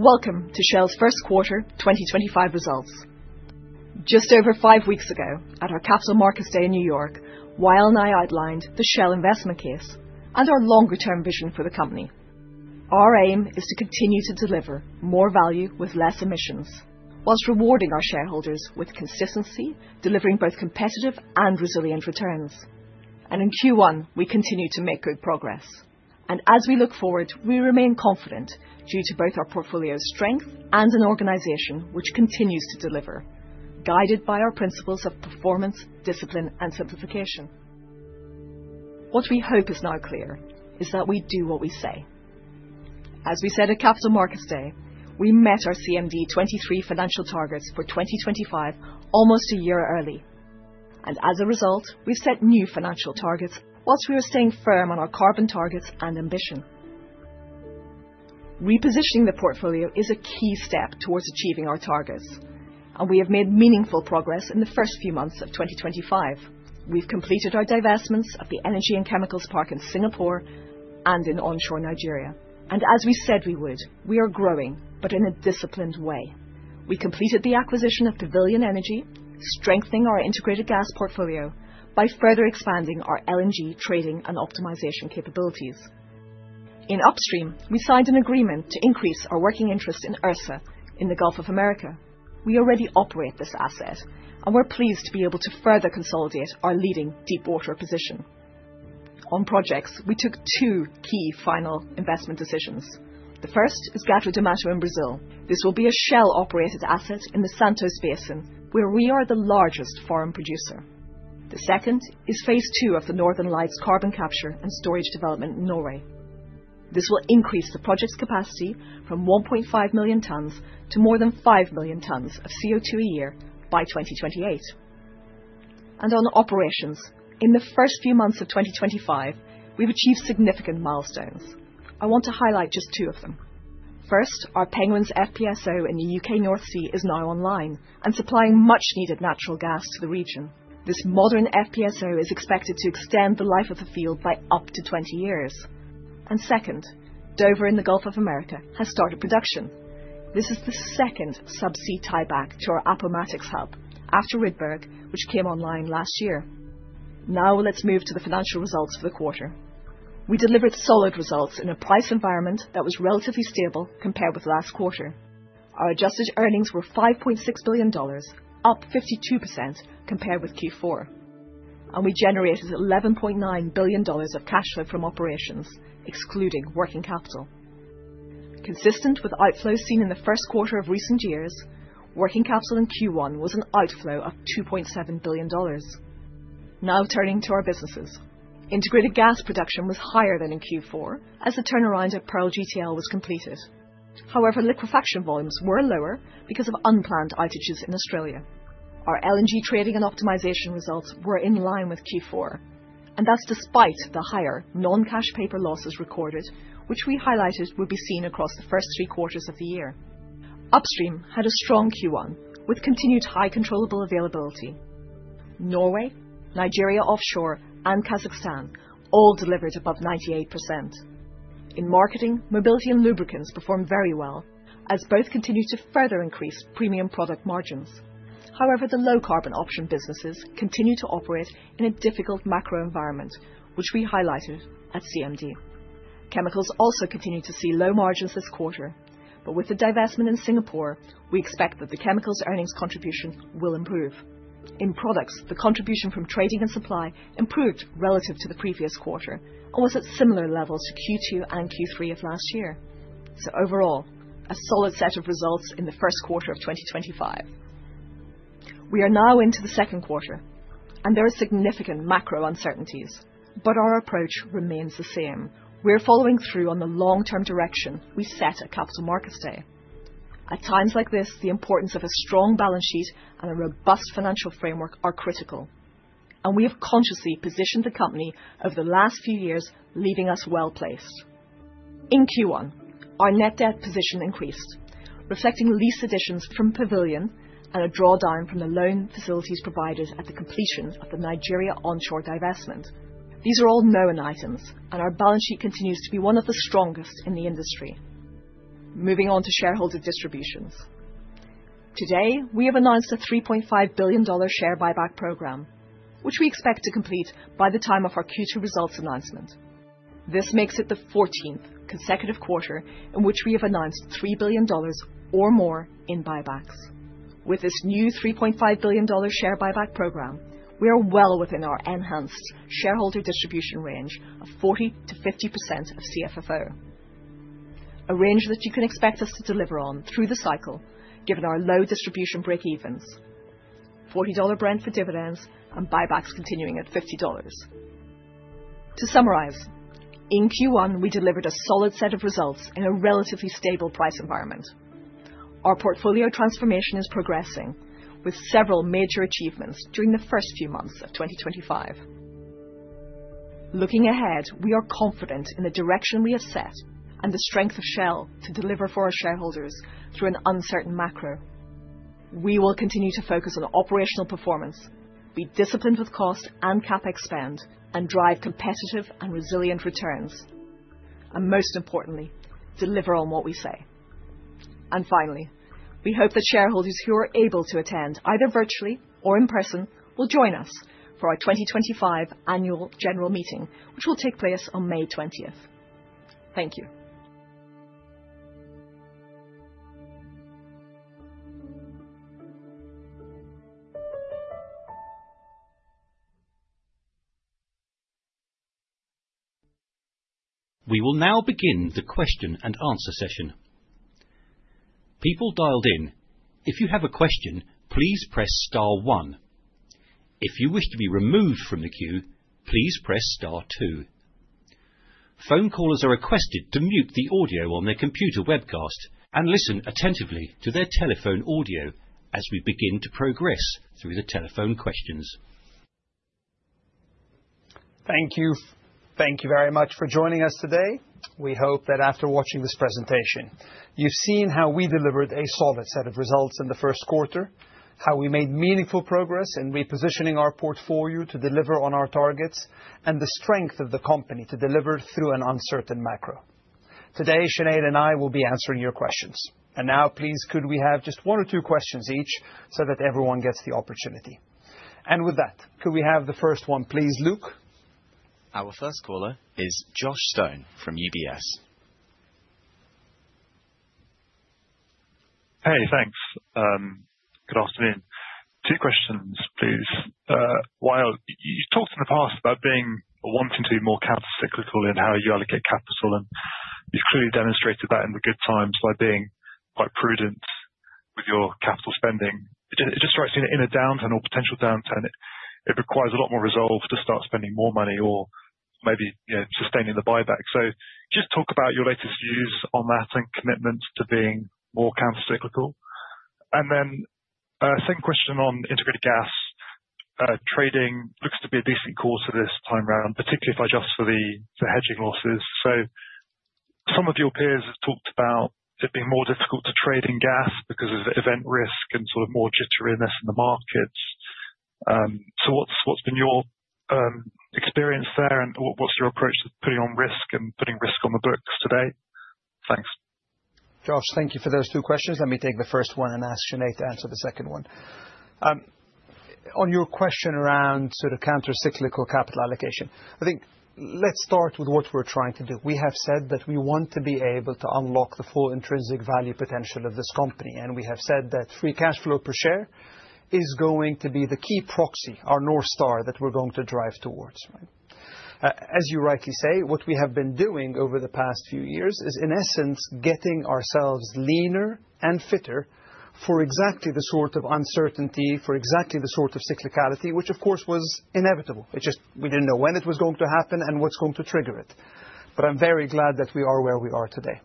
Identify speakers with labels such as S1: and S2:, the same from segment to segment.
S1: Welcome to Shell's First Quarter 2025 Results. Just over five weeks ago, at our Capital Markets Day in New York, Wael and I outlined the Shell investment case and our longer-term vision for the company. Our aim is to continue to deliver more value with less emissions, whilst rewarding our shareholders with consistency, delivering both competitive and resilient returns. In Q1, we continue to make good progress. As we look forward, we remain confident due to both our portfolio's strength and an organization which continues to deliver, guided by our principles of performance, discipline, and simplification. What we hope is now clear is that we do what we say. As we said at Capital Markets Day, we met our CMD23 financial targets for 2025 almost a year early. As a result, we've set new financial targets whilst we are staying firm on our carbon targets and ambition. Repositioning the portfolio is a key step towards achieving our targets, and we have made meaningful progress in the first few months of 2025. We've completed our divestments of the Energy and Chemicals Park in Singapore and in onshore Nigeria. As we said we would, we are growing, but in a disciplined way. We completed the acquisition of Pavilion Energy, strengthening our Integrated Gas portfolio by further expanding our LNG trading and optimization capabilities. In Upstream, we signed an agreement to increase our working interest in Ursa in the Gulf of America. We already operate this asset, and we're pleased to be able to further consolidate our leading deep-water position. On projects, we took two key final investment decisions. The first is Gato do Mato in Brazil. This will be a Shell-operated asset in the Santos Basin, where we are the largest foreign producer. The second is phase II of the Northern Lights carbon capture and storage development in Norway. This will increase the project's capacity from 1.5 million tonnes to more than 5 million tonnes of CO2 a year by 2028. In operations, in the first few months of 2025, we've achieved significant milestones. I want to highlight just two of them. First, our Penguins FPSO in the U.K. North Sea is now online and supplying much-needed natural gas to the region. This modern FPSO is expected to extend the life of the field by up to 20 years. Second, Dover in the Gulf of America has started production. This is the second subsea tieback to our Appomattox hub after Rydberg, which came online last year. Now let's move to the financial results for the quarter. We delivered solid results in a price environment that was relatively stable compared with last quarter. Our adjusted earnings were $5.6 billion, up 52% compared with Q4. We generated $11.9 billion of cash flow from operations, excluding working capital. Consistent with outflows seen in the first quarter of recent years, working capital in Q1 was an outflow of $2.7 billion. Now turning to our businesses. Integrated Gas production was higher than in Q4, as the turnaround at Pearl GTL was completed. However, liquefaction volumes were lower because of unplanned outages in Australia. Our LNG trading and optimisation results were in line with Q4, and that's despite the higher non-cash paper losses recorded, which we highlighted would be seen across the first three quarters of the year. Upstream had a strong Q1, with continued high controllable availability. Norway, Nigeria offshore, and Kazakhstan all delivered above 98%. In Marketing, Mobility and Lubricants performed very well, as both continued to further increase premium product margins. However, the low carbon option businesses continued to operate in a difficult macro environment, which we highlighted at CMD. Chemicals also continued to see low margins this quarter, but with the divestment in Singapore, we expect that the Chemicals earnings contribution will improve. In Products, the contribution from trading and supply improved relative to the previous quarter, almost at similar levels to Q2 and Q3 of last year. Overall, a solid set of results in the first quarter of 2025. We are now into the second quarter, and there are significant macro uncertainties, but our approach remains the same. We are following through on the long-term direction we set at Capital Markets Day. At times like this, the importance of a strong balance sheet and a robust financial framework are critical. We have consciously positioned the company over the last few years, leaving us well placed. In Q1, our net debt position increased, reflecting lease additions from Pavilion and a drawdown from the loan facilities providers at the completion of the Nigeria onshore divestment. These are all known items, and our balance sheet continues to be one of the strongest in the industry. Moving on to shareholder distributions. Today, we have announced a $3.5 billion share buyback program, which we expect to complete by the time of our Q2 results announcement. This makes it the 14th consecutive quarter in which we have announced $3 billion or more in buybacks. With this new $3.5 billion share buyback program, we are well within our enhanced shareholder distribution range of 40%-50% of CFFO. A range that you can expect us to deliver on through the cycle, given our low distribution breakevens, $40 Brent for dividends, and buybacks continuing at $50. To summarize, in Q1, we delivered a solid set of results in a relatively stable price environment. Our portfolio transformation is progressing, with several major achievements during the first few months of 2025. Looking ahead, we are confident in the direction we have set and the strength of Shell to deliver for our shareholders through an uncertain macro. We will continue to focus on operational performance, be disciplined with cost and CapEx spend, and drive competitive and resilient returns. Most importantly, deliver on what we say. Finally, we hope that shareholders who are able to attend either virtually or in person will join us for our 2025 Annual General Meeting, which will take place on May 20th. Thank you.
S2: We will now begin the question-and-answer session. People dialed in, if you have a question, please press star one. If you wish to be removed from the queue, please press star two. Phone callers are requested to mute the audio on their computer webcast and listen attentively to their telephone audio as we begin to progress through the telephone questions.
S3: Thank you very much for joining us today. We hope that after watching this presentation, you've seen how we delivered a solid set of results in the first quarter, how we made meaningful progress in repositioning our portfolio to deliver on our targets, and the strength of the company to deliver through an uncertain macro. Today, Sinead and I will be answering your questions. Please, could we have just one or two questions each so that everyone gets the opportunity? With that, could we have the first one, please, Luke?
S2: Our first caller is Josh Stone from UBS.
S4: Hey, thanks. Good afternoon. Two questions, please. Wael, you've talked in the past about being or wanting to be more counter-cyclical in how you allocate capital, and you've clearly demonstrated that in the good times by being quite prudent with your capital spending. It just strikes me that in a downturn or potential downturn, it requires a lot more resolve to start spending more money or maybe sustaining the buyback. Just talk about your latest views on that and commitments to being more counter-cyclical. Second question on integrated gas. Trading looks to be a decent call for this time around, particularly if I adjust for the hedging losses. Some of your peers have talked about it being more difficult to trade in gas because of event risk and sort of more jitteriness in the markets. What's been your experience there, and what's your approach to putting on risk and putting risk on the books today? Thanks.
S3: Josh, thank you for those two questions. Let me take the first one and ask Sinead to answer the second one. On your question around sort of counter-cyclical capital allocation, I think let's start with what we're trying to do. We have said that we want to be able to unlock the full intrinsic value potential of this company, and we have said that free cash flow per share is going to be the key proxy, our North Star that we're going to drive towards. As you rightly say, what we have been doing over the past few years is, in essence, getting ourselves leaner and fitter for exactly the sort of uncertainty, for exactly the sort of cyclicality, which, of course, was inevitable. It just, we didn't know when it was going to happen and what's going to trigger it. I'm very glad that we are where we are today.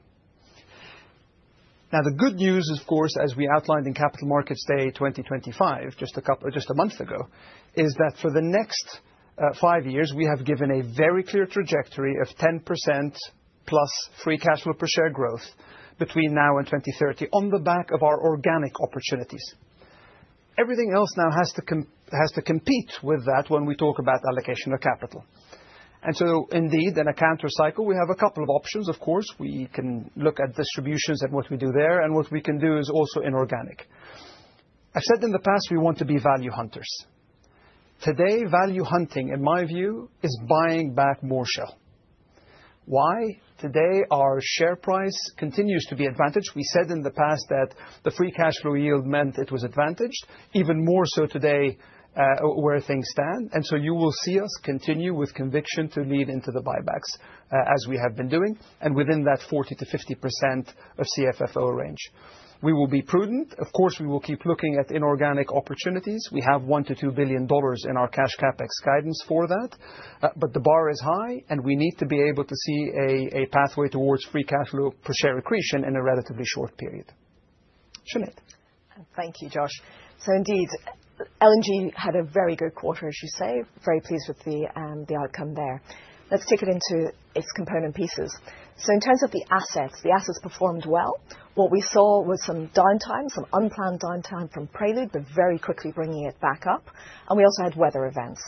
S3: The good news is, of course, as we outlined in Capital Markets Day 2025 just a month ago, for the next five years, we have given a very clear trajectory of 10%+ free cash flow per share growth between now and 2030 on the back of our organic opportunities. Everything else now has to compete with that when we talk about allocation of capital. Indeed, in a counter cycle, we have a couple of options. Of course, we can look at distributions and what we do there, and what we can do is also inorganic. I've said in the past we want to be value hunters. Today, value hunting, in my view, is buying back more Shell. Why? Today, our share price continues to be advantaged. We said in the past that the free cash flow yield meant it was advantaged, even more so today where things stand. You will see us continue with conviction to lead into the buybacks as we have been doing, and within that 40%-50% of CFFO range. We will be prudent. Of course, we will keep looking at inorganic opportunities. We have $1 billion-$2 billion in our cash CapEx guidance for that, but the bar is high, and we need to be able to see a pathway towards free cash flow per share accretion in a relatively short period. Sinead.
S1: Thank you, Josh. So indeed, LNG had a very good quarter, as you say. Very pleased with the outcome there. Let's take it into its component pieces. In terms of the assets, the assets performed well. What we saw was some downtime, some unplanned downtime from Prelude, but very quickly bringing it back up. We also had weather events.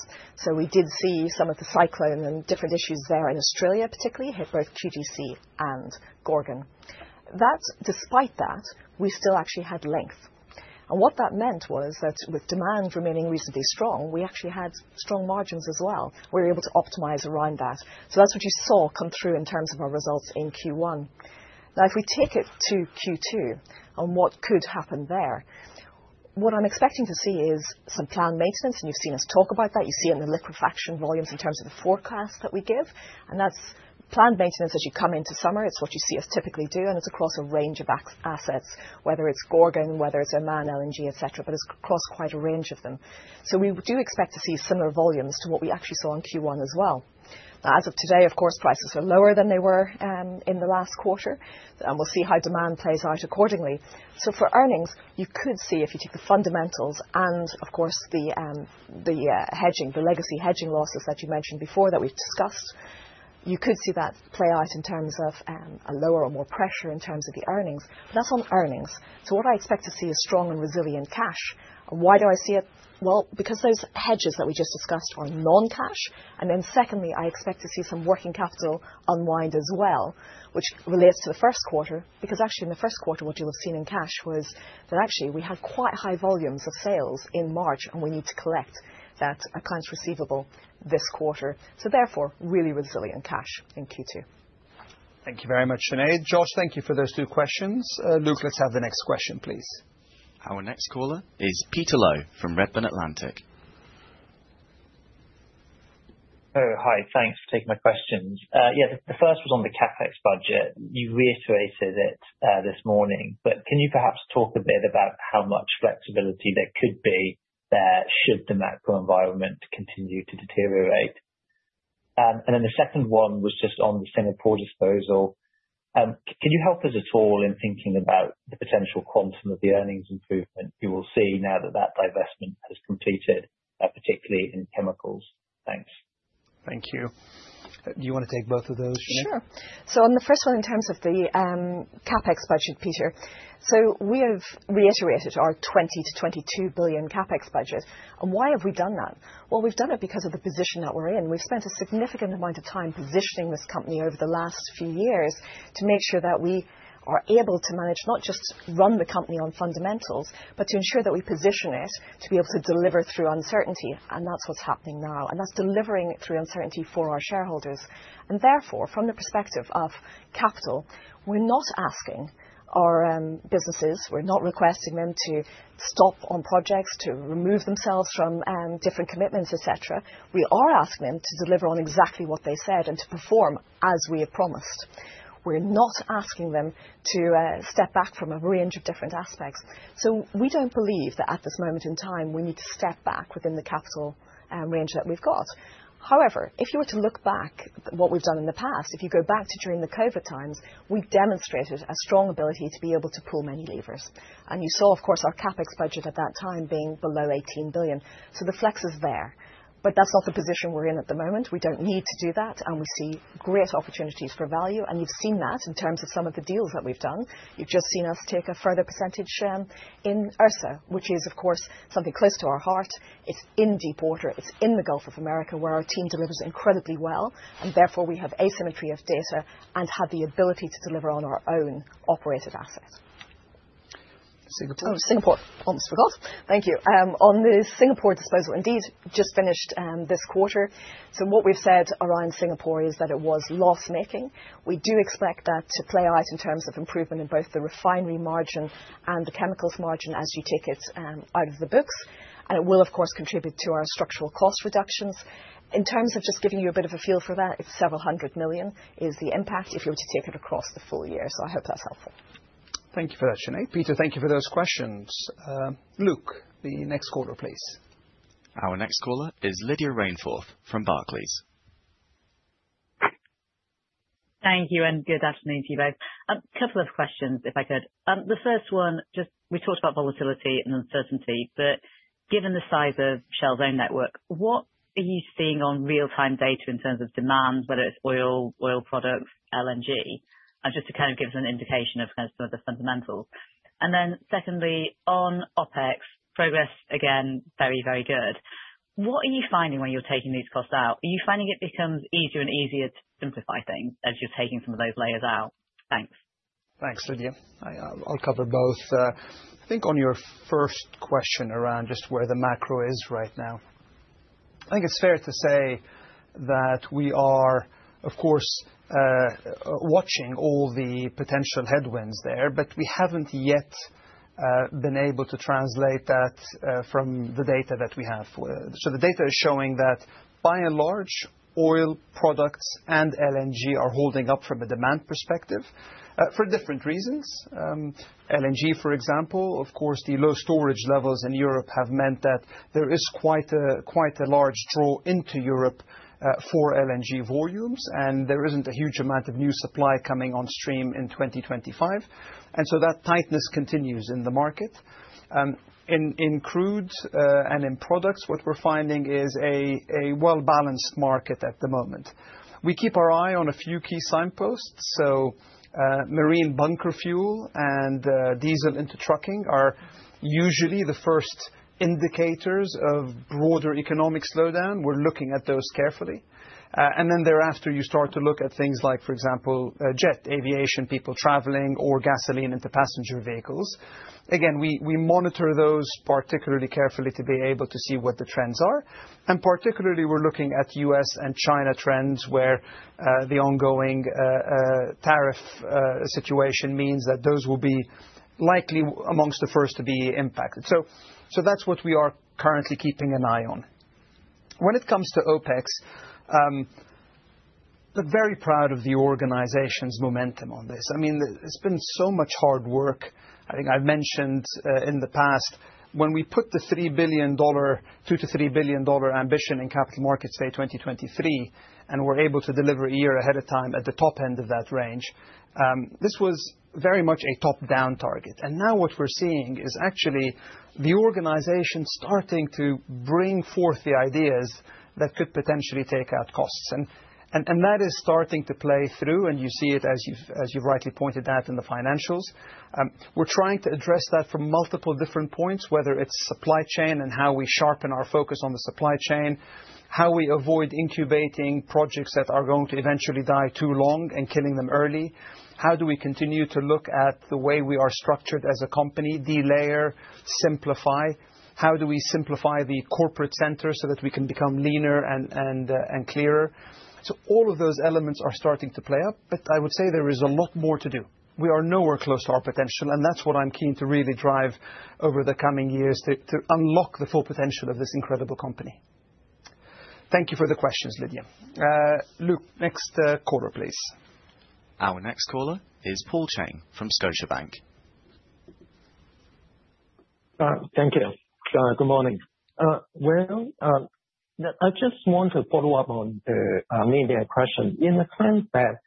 S1: We did see some of the cyclone and different issues there in Australia, particularly hit both QGC and Gorgon. Despite that, we still actually had length. What that meant was that with demand remaining reasonably strong, we actually had strong margins as well. We were able to optimize around that. That is what you saw come through in terms of our results in Q1. Now, if we take it to Q2 and what could happen there, what I'm expecting to see is some planned maintenance, and you've seen us talk about that. You see it in the liquefaction volumes in terms of the forecast that we give. That's planned maintenance as you come into summer. It's what you see us typically do, and it's across a range of assets, whether it's Gorgon, whether it's Oman, LNG, etc., but it's across quite a range of them. We do expect to see similar volumes to what we actually saw in Q1 as well. Now, as of today, of course, prices are lower than they were in the last quarter, and we'll see how demand plays out accordingly. For earnings, you could see if you take the fundamentals and, of course, the hedging, the legacy hedging losses that you mentioned before that we've discussed, you could see that play out in terms of a lower or more pressure in terms of the earnings. That is on earnings. What I expect to see is strong and resilient cash. Why do I see it? Because those hedges that we just discussed are non-cash. Secondly, I expect to see some working capital unwind as well, which relates to the first quarter, because actually in the first quarter, what you have seen in cash was that actually we had quite high volumes of sales in March, and we need to collect that accounts receivable this quarter. Therefore, really resilient cash in Q2.
S3: Thank you very much, Sinead. Josh, thank you for those two questions. Luke, let's have the next question, please.
S2: Our next caller is Peter Lowe from Redmond Atlantic.
S5: Hello. Hi. Thanks for taking my questions. Yeah, the first was on the CapEx budget. You reiterated it this morning, but can you perhaps talk a bit about how much flexibility there could be there should the macro environment continue to deteriorate? The second one was just on the Singapore disposal. Can you help us at all in thinking about the potential quantum of the earnings improvement you will see now that that divestment has completed, particularly in Chemicals? Thanks.
S3: Thank you. Do you want to take both of those, Sinead?
S1: Sure. On the first one in terms of the CapEx budget, Peter, we have reiterated our $20 billion-$22 billion CapEx budget. Why have we done that? We have done it because of the position that we are in. We have spent a significant amount of time positioning this company over the last few years to make sure that we are able to manage not just run the company on fundamentals, but to ensure that we position it to be able to deliver through uncertainty. That is what is happening now. That is delivering through uncertainty for our shareholders. Therefore, from the perspective of capital, we are not asking our businesses, we are not requesting them to stop on projects, to remove themselves from different commitments, etc. We are asking them to deliver on exactly what they said and to perform as we have promised. We're not asking them to step back from a range of different aspects. We don't believe that at this moment in time we need to step back within the capital range that we've got. However, if you were to look back at what we've done in the past, if you go back to during the COVID times, we demonstrated a strong ability to be able to pull many levers. You saw, of course, our CapEx budget at that time being below $18 billion. The flex is there, but that's not the position we're in at the moment. We don't need to do that, and we see great opportunities for value. You've seen that in terms of some of the deals that we've done. You've just seen us take a further percentage in Ursa, which is, of course, something close to our heart. It's in deep water. It's in the Gulf of America where our team delivers incredibly well. Therefore, we have asymmetry of data and have the ability to deliver on our own operated asset.
S3: Singapore.
S1: Oh, Singapore. Almost forgot. Thank you. On the Singapore disposal, indeed, just finished this quarter. What we've said around Singapore is that it was loss-making. We do expect that to play out in terms of improvement in both the refinery margin and the Chemicals margin as you take it out of the books. It will, of course, contribute to our structural cost reductions. In terms of just giving you a bit of a feel for that, it's several hundred million is the impact if you were to take it across the full year. I hope that's helpful.
S3: Thank you for that, Sinead. Peter, thank you for those questions. Luke, the next caller, please.
S2: Our next caller is Lydia Rainforth from Barclays.
S6: Thank you and good afternoon to you both. A couple of questions, if I could. The first one, just we talked about volatility and uncertainty, but given the size of Shell's own network, what are you seeing on real-time data in terms of demand, whether it's oil, oil products, LNG, just to kind of give us an indication of kind of some of the fundamentals? Secondly, on OpEx, progress again, very, very good. What are you finding when you're taking these costs out? Are you finding it becomes easier and easier to simplify things as you're taking some of those layers out? Thanks.
S3: Thanks, Lydia. I'll cover both. I think on your first question around just where the macro is right now, I think it's fair to say that we are, of course, watching all the potential headwinds there, but we haven't yet been able to translate that from the data that we have. The data is showing that by and large, oil products and LNG are holding up from a demand perspective for different reasons. LNG, for example, of course, the low storage levels in Europe have meant that there is quite a large draw into Europe for LNG volumes, and there isn't a huge amount of new supply coming on stream in 2025. That tightness continues in the market. In crude and in products, what we're finding is a well-balanced market at the moment. We keep our eye on a few key signposts. Marine bunker fuel and diesel into trucking are usually the first indicators of broader economic slowdown. We're looking at those carefully. After that, you start to look at things like, for example, jet aviation, people traveling, or gasoline into passenger vehicles. Again, we monitor those particularly carefully to be able to see what the trends are. Particularly, we're looking at U.S. and China trends where the ongoing tariff situation means that those will be likely amongst the first to be impacted. That's what we are currently keeping an eye on. When it comes to OpEx, we're very proud of the organization's momentum on this. I mean, it's been so much hard work. I think I've mentioned in the past, when we put the $3 billion, $2 billion-$3 billion ambition in Capital Markets Day 2023, and we're able to deliver a year ahead of time at the top end of that range, this was very much a top-down target. Now what we're seeing is actually the organization starting to bring forth the ideas that could potentially take out costs. That is starting to play through, and you see it, as you've rightly pointed out, in the financials. We're trying to address that from multiple different points, whether it's supply chain and how we sharpen our focus on the supply chain, how we avoid incubating projects that are going to eventually die too long and killing them early. How do we continue to look at the way we are structured as a company, delayer, simplify? How do we simplify the corporate center so that we can become leaner and clearer? All of those elements are starting to play up, but I would say there is a lot more to do. We are nowhere close to our potential, and that's what I'm keen to really drive over the coming years to unlock the full potential of this incredible company. Thank you for the questions, Lydia. Luke, next caller, please.
S2: Our next caller is Paul Cheng from Scotiabank.
S7: Thank you. Good morning. I just want to follow-up on the Lydia's question in the sense that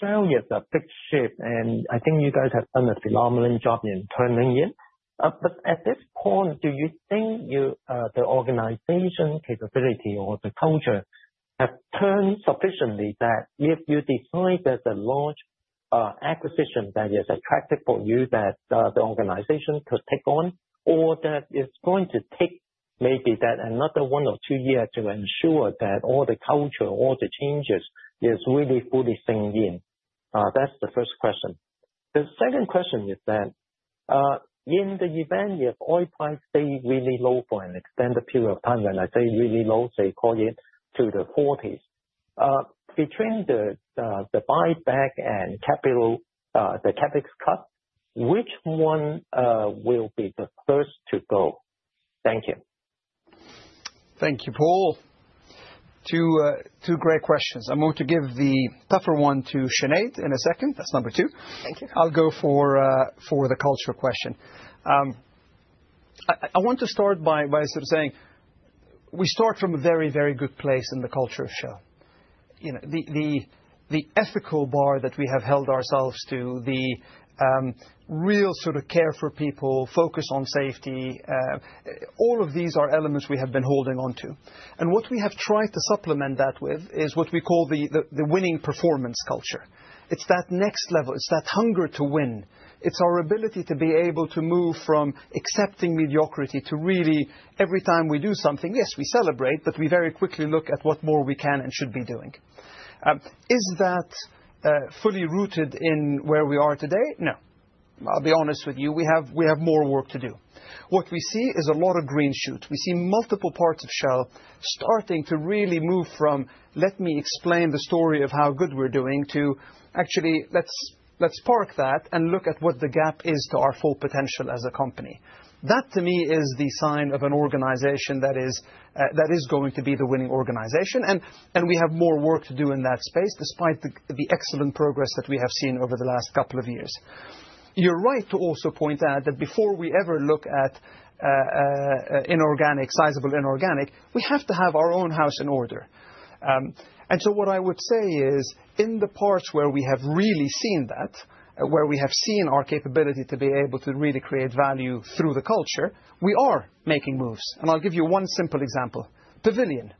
S7: Shell is a big ship, and I think you guys have done a phenomenal job in turning it. At this point, do you think the organization's capability or the culture has turned sufficiently that if you decide that the large acquisition that is attractive for you that the organization could take on, or that it's going to take maybe another one or two years to ensure that all the culture, all the changes is really fully singed in? That's the first question. The second question is that in the event your oil price stays really low for an extended period of time, and I say really low, say call it to the 40s, between the buyback and capital, the CapEx cut, which one will be the first to go? Thank you.
S3: Thank you, Paul. Two great questions. I'm going to give the tougher one to Sinead in a second. That's number two.
S1: Thank you.
S3: I'll go for the culture question. I want to start by sort of saying we start from a very, very good place in the culture of Shell. The ethical bar that we have held ourselves to, the real sort of care for people, focus on safety, all of these are elements we have been holding on to. What we have tried to supplement that with is what we call the winning performance culture. It's that next level. It's that hunger to win. It's our ability to be able to move from accepting mediocrity to really, every time we do something, yes, we celebrate, but we very quickly look at what more we can and should be doing. Is that fully rooted in where we are today? No. I'll be honest with you, we have more work to do. What we see is a lot of green shoot. We see multiple parts of Shell starting to really move from, let me explain the story of how good we're doing, to actually, let's park that and look at what the gap is to our full potential as a company. That, to me, is the sign of an organization that is going to be the winning organization. We have more work to do in that space, despite the excellent progress that we have seen over the last couple of years. You're right to also point out that before we ever look at inorganic, sizable inorganic, we have to have our own house in order. What I would say is, in the parts where we have really seen that, where we have seen our capability to be able to really create value through the culture, we are making moves. I'll give you one simple example. Pavilion.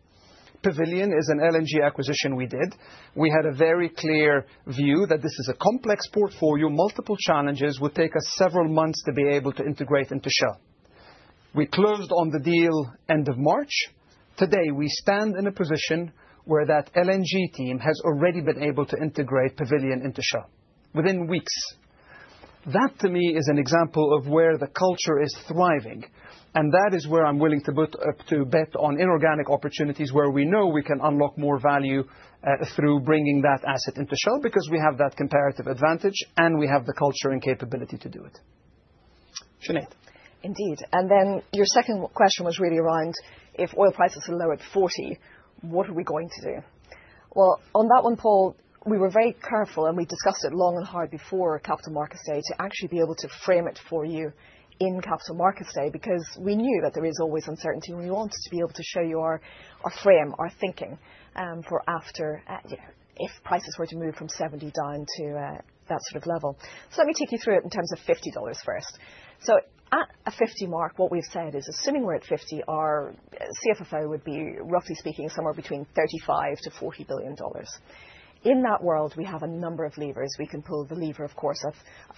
S3: Pavilion is an LNG acquisition we did. We had a very clear view that this is a complex portfolio, multiple challenges, would take us several months to be able to integrate into Shell. We closed on the deal end of March. Today, we stand in a position where that LNG team has already been able to integrate Pavilion into Shell within weeks. That, to me, is an example of where the culture is thriving. That is where I'm willing to bet on inorganic opportunities where we know we can unlock more value through bringing that asset into Shell because we have that comparative advantage and we have the culture and capability to do it. Sinead.
S1: Indeed. Your second question was really around if oil prices are lower at $40, what are we going to do? On that one, Paul, we were very careful and we discussed it long and hard before Capital Markets Day to actually be able to frame it for you in Capital Markets Day because we knew that there is always uncertainty and we wanted to be able to show you our frame, our thinking for after if prices were to move from $70 down to that sort of level. Let me take you through it in terms of $50 first. At a $50 mark, what we've said is assuming we're at $50, our CFFO would be, roughly speaking, somewhere between $35 billion-$40 billion. In that world, we have a number of levers. We can pull the lever, of course, of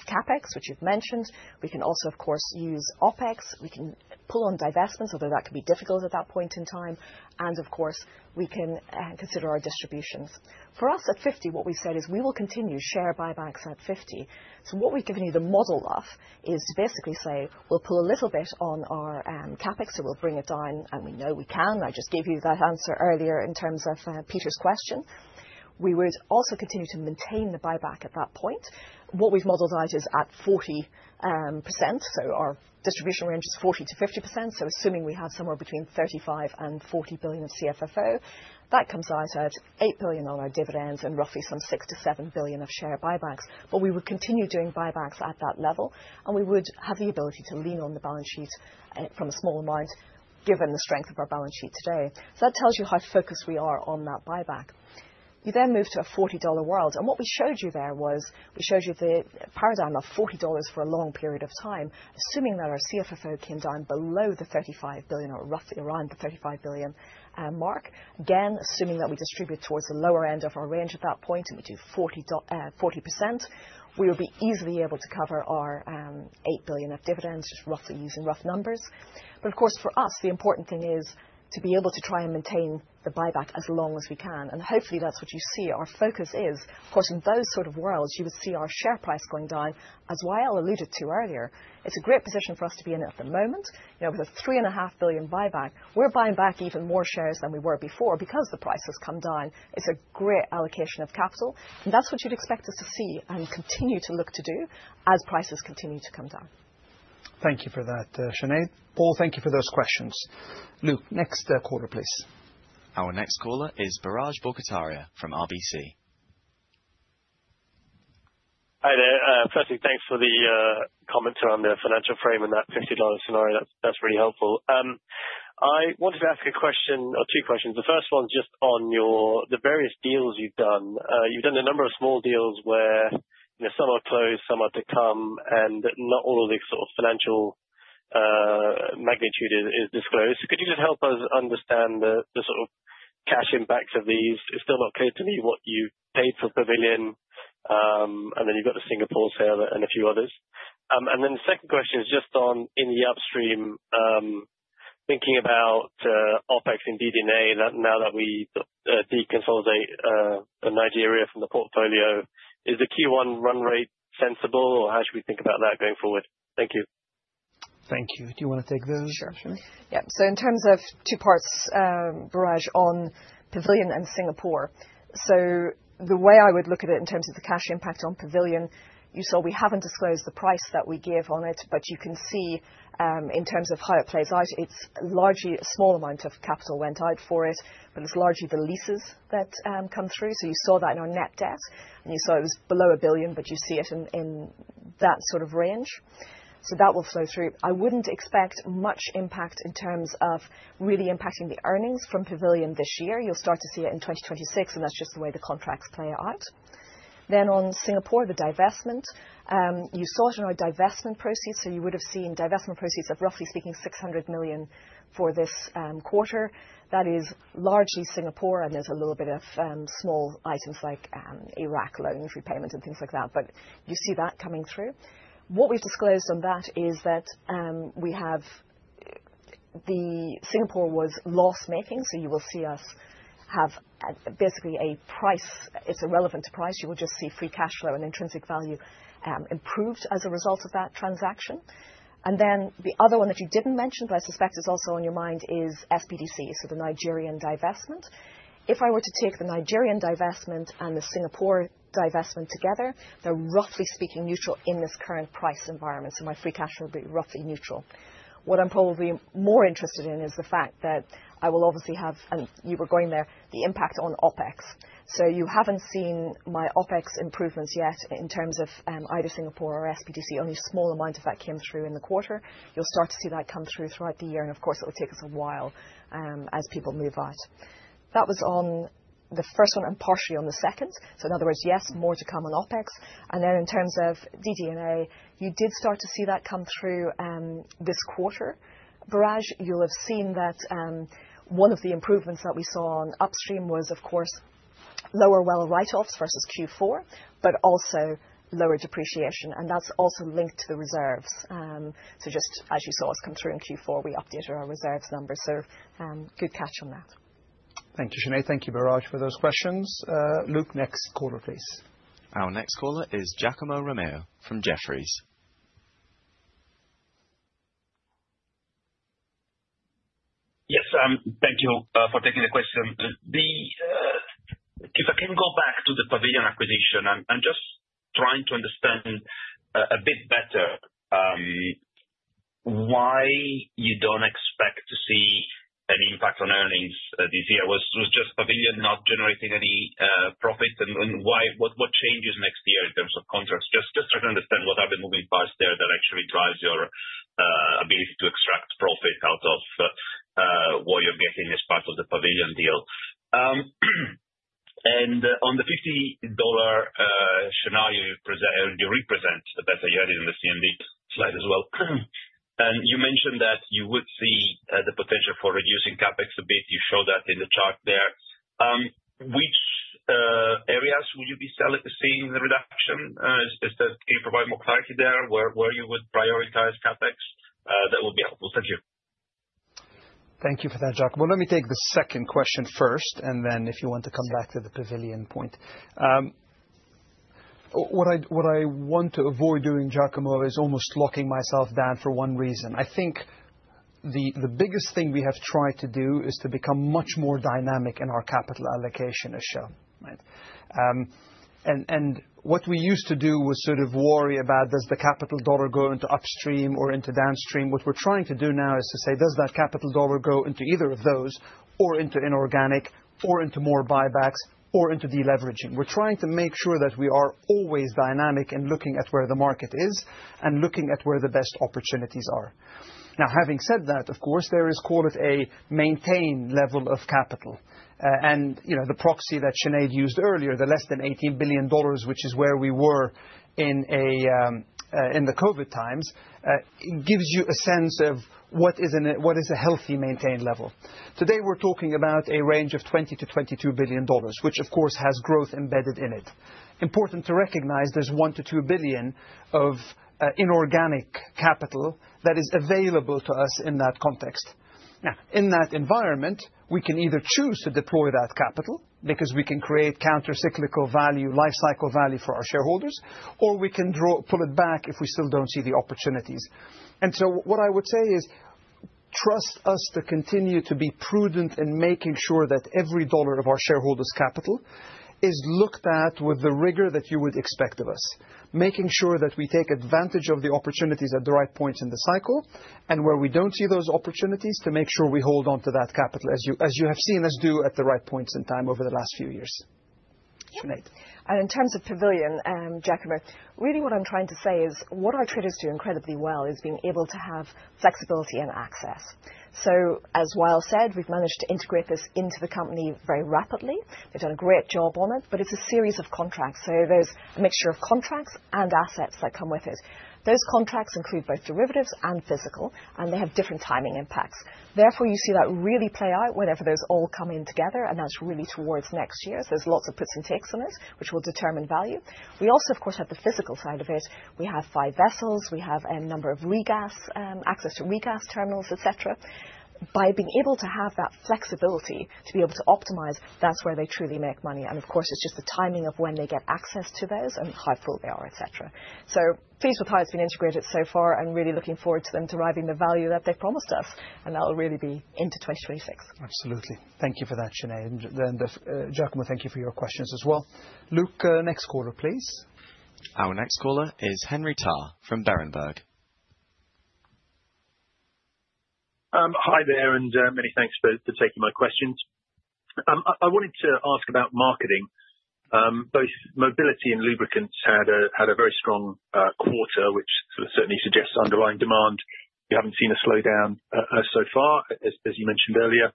S1: CapEx, which you've mentioned. We can also, of course, use OpEx. We can pull on divestments, although that could be difficult at that point in time. Of course, we can consider our distributions. For us at $50, what we've said is we will continue share buybacks at $50. What we've given you the model of is to basically say we'll pull a little bit on our CapEx, so we'll bring it down, and we know we can. I just gave you that answer earlier in terms of Peter's question. We would also continue to maintain the buyback at that point. What we've modeled out is at 40%. Our distribution range is 40%-50%. Assuming we have somewhere between $35 billion and $40 billion of CFFO, that comes out at $8 billion on our dividends and roughly some $6 billion-$7 billion of share buybacks. We would continue doing buybacks at that level, and we would have the ability to lean on the balance sheet from a small amount given the strength of our balance sheet today. That tells you how focused we are on that buyback. You then move to a $40 world. What we showed you there was we showed you the paradigm of $40 for a long period of time, assuming that our CFFO came down below the $35 billion or roughly around the $35 billion mark. Again, assuming that we distribute towards the lower end of our range at that point and we do 40%, we would be easily able to cover our $8 billion of dividends, just roughly using rough numbers. Of course, for us, the important thing is to be able to try and maintain the buyback as long as we can. Hopefully, that's what you see. Our focus is, of course, in those sort of worlds, you would see our share price going down as well. I alluded to earlier. It's a great position for us to be in at the moment. With a $3.5 billion buyback, we're buying back even more shares than we were before because the price has come down. It's a great allocation of capital. That's what you'd expect us to see and continue to look to do as prices continue to come down.
S3: Thank you for that, Sinead. Paul, thank you for those questions. Luke, next caller, please.
S2: Our next caller is Biraj Borkhataria from RBC.
S8: Hi there. Firstly, thanks for the comment around the financial frame and that $50 scenario. That's really helpful. I wanted to ask a question or two questions. The first one's just on the various deals you've done. You've done a number of small deals where some are closed, some are to come, and not all of the sort of financial magnitude is disclosed. Could you just help us understand the sort of cash impacts of these? It's still not clear to me what you paid for Pavilion, and then you've got the Singapore sale and a few others. The second question is just on in the upstream, thinking about OpEx and DD&A now that we deconsolidate Nigeria from the portfolio, is the Q1 run rate sensible, or how should we think about that going forward? Thank you.
S3: Thank you. Do you want to take those?
S1: Sure. Yeah. In terms of two parts, Biraj, on Pavilion and Singapore. The way I would look at it in terms of the cash impact on Pavilion, you saw we haven't disclosed the price that we give on it, but you can see in terms of how it plays out, it's largely a small amount of capital went out for it, but it's largely the leases that come through. You saw that in our net debt, and you saw it was below $1 billion, but you see it in that sort of range. That will flow through. I wouldn't expect much impact in terms of really impacting the earnings from Pavilion this year. You'll start to see it in 2026, and that's just the way the contracts play out. On Singapore, the divestment, you saw it in our divestment proceeds. You would have seen divestment proceeds of, roughly speaking, $600 million for this quarter. That is largely Singapore, and there is a little bit of small items like Iraq loan repayment and things like that, but you see that coming through. What we have disclosed on that is that we have the Singapore was loss-making, so you will see us have basically a price, it is a relevant price. You will just see free cash flow and intrinsic value improved as a result of that transaction. The other one that you did not mention, but I suspect is also on your mind, is SBDC, so the Nigerian divestment. If I were to take the Nigerian divestment and the Singapore divestment together, they are, roughly speaking, neutral in this current price environment. My free cash flow would be roughly neutral. What I'm probably more interested in is the fact that I will obviously have, and you were going there, the impact on OpEx. You haven't seen my OpEx improvements yet in terms of either Singapore or SBDC. Only a small amount of that came through in the quarter. You'll start to see that come through throughout the year, and of course, it will take us a while as people move out. That was on the first one and partially on the second. In other words, yes, more to come on OpEx. In terms of DD&A, you did start to see that come through this quarter. Biraj, you'll have seen that one of the improvements that we saw on upstream was, of course, lower well write-offs versus Q4, but also lower depreciation. That's also linked to the reserves. Just as you saw us come through in Q4, we updated our reserves number. Good catch on that.
S3: Thank you, Sinead. Thank you, Biraj, for those questions. Luke, next caller, please.
S2: Our next caller is Giacomo Romeo from Jefferies.
S9: Yes. Thank you for taking the question. If I can go back to the Pavilion acquisition, I'm just trying to understand a bit better why you don't expect to see an impact on earnings this year. Was just Pavilion not generating any profit? What changes next year in terms of contracts? Just trying to understand what are the moving parts there that actually drive your ability to extract profit out of what you're getting as part of the Pavilion deal. On the $50 scenario, you represent the better you had it in the CMD slide as well. You mentioned that you would see the potential for reducing CapEx a bit. You show that in the chart there. Which areas will you be seeing the reduction? Can you provide more clarity there where you would prioritize CapEx? That would be helpful. Thank you.
S3: Thank you for that, Giacomo. Let me take the second question first, and then if you want to come back to the Pavilion point. What I want to avoid doing, Giacomo, is almost locking myself down for one reason. I think the biggest thing we have tried to do is to become much more dynamic in our capital allocation as Shell. What we used to do was sort of worry about, does the capital dollar go into upstream or into downstream? What we're trying to do now is to say, does that capital dollar go into either of those or into inorganic or into more buybacks or into deleveraging? We're trying to make sure that we are always dynamic and looking at where the market is and looking at where the best opportunities are. Now, having said that, of course, there is, call it a maintain level of capital. The proxy that Sinead used earlier, the less than $18 billion, which is where we were in the COVID times, gives you a sense of what is a healthy maintain level. Today, we're talking about a range of $20 billion-$22 billion, which, of course, has growth embedded in it. Important to recognize there's $1 billion-$2 billion of inorganic capital that is available to us in that context. Now, in that environment, we can either choose to deploy that capital because we can create counter-cyclical value, life cycle value for our shareholders, or we can pull it back if we still do not see the opportunities. What I would say is trust us to continue to be prudent in making sure that every dollar of our shareholders' capital is looked at with the rigor that you would expect of us, making sure that we take advantage of the opportunities at the right points in the cycle and where we do not see those opportunities to make sure we hold on to that capital, as you have seen us do at the right points in time over the last few years. Sinead?
S1: In terms of Pavilion, Giacomo, really what I'm trying to say is what our traders do incredibly well is being able to have flexibility and access. As Wael said, we've managed to integrate this into the company very rapidly. They've done a great job on it, but it's a series of contracts. There's a mixture of contracts and assets that come with it. Those contracts include both derivatives and physical, and they have different timing impacts. Therefore, you see that really play out whenever those all come in together, and that's really towards next year. There's lots of puts and takes on it, which will determine value. We also, of course, have the physical side of it. We have five vessels. We have a number of access to re-gas terminals, etc. By being able to have that flexibility to be able to optimize, that's where they truly make money. Of course, it's just the timing of when they get access to those and how full they are, etc. Pleased with how it's been integrated so far and really looking forward to them deriving the value that they've promised us, and that'll really be into 2026.
S3: Absolutely. Thank you for that, Sinead. And Giacomo, thank you for your questions as well. Luke, next caller, please.
S2: Our next caller is Henry Tarr from Berenberg.
S10: Hi there, and many thanks for taking my questions. I wanted to ask about marketing. Both Mobility and Lubricants had a very strong quarter, which certainly suggests underlying demand. We have not seen a slowdown so far, as you mentioned earlier.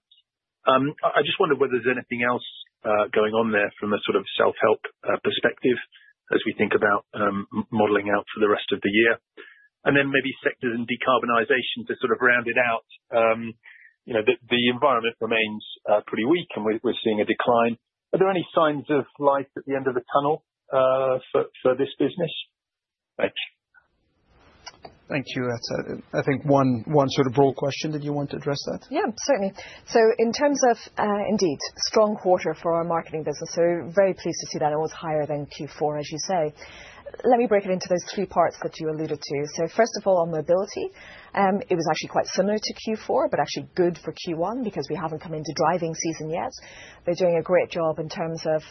S10: I just wondered whether there is anything else going on there from a sort of self-help perspective as we think about modeling out for the rest of the year. Maybe sectors and decarbonization to sort of round it out. The environment remains pretty weak, and we are seeing a decline. Are there any signs of light at the end of the tunnel for this business? Thanks.
S3: Thank you. I think one sort of broad question. Did you want to address that?
S1: Yeah, certainly. In terms of indeed strong quarter for our marketing business, very pleased to see that it was higher than Q4, as you say. Let me break it into those three parts that you alluded to. First of all, on Mobility, it was actually quite similar to Q4, but actually good for Q1 because we have not come into driving season yet. They are doing a great job in terms of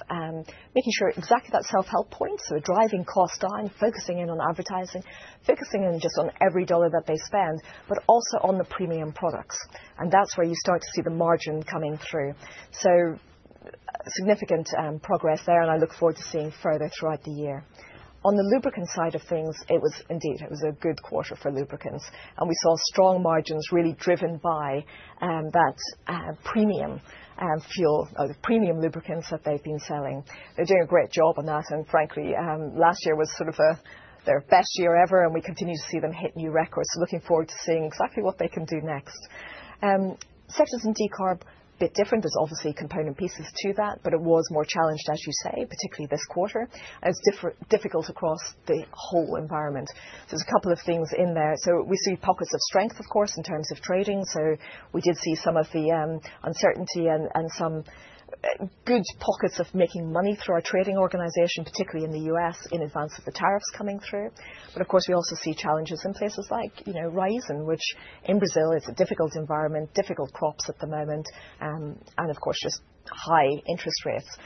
S1: making sure exactly that self-help point. Driving costs down, focusing in on advertising, focusing in just on every dollar that they spend, but also on the premium products. That is where you start to see the margin coming through. Significant progress there, and I look forward to seeing further throughout the year. On the Lubricants side of things, it was indeed a good quarter for Lubricants. We saw strong margins really driven by that premium fuel or the premium lubricants that they've been selling. They're doing a great job on that. Frankly, last year was sort of their best year ever, and we continue to see them hit new records. Looking forward to seeing exactly what they can do next. Sectors and decarb, a bit different. There's obviously component pieces to that, but it was more challenged, as you say, particularly this quarter. It's difficult across the whole environment. There are a couple of things in there. We see pockets of strength, of course, in terms of trading. We did see some of the uncertainty and some good pockets of making money through our trading organization, particularly in the U.S. in advance of the tariffs coming through. Of course, we also see challenges in places like Raízen, which in Brazil, it's a difficult environment, difficult crops at the moment, and of course, just high interest rates.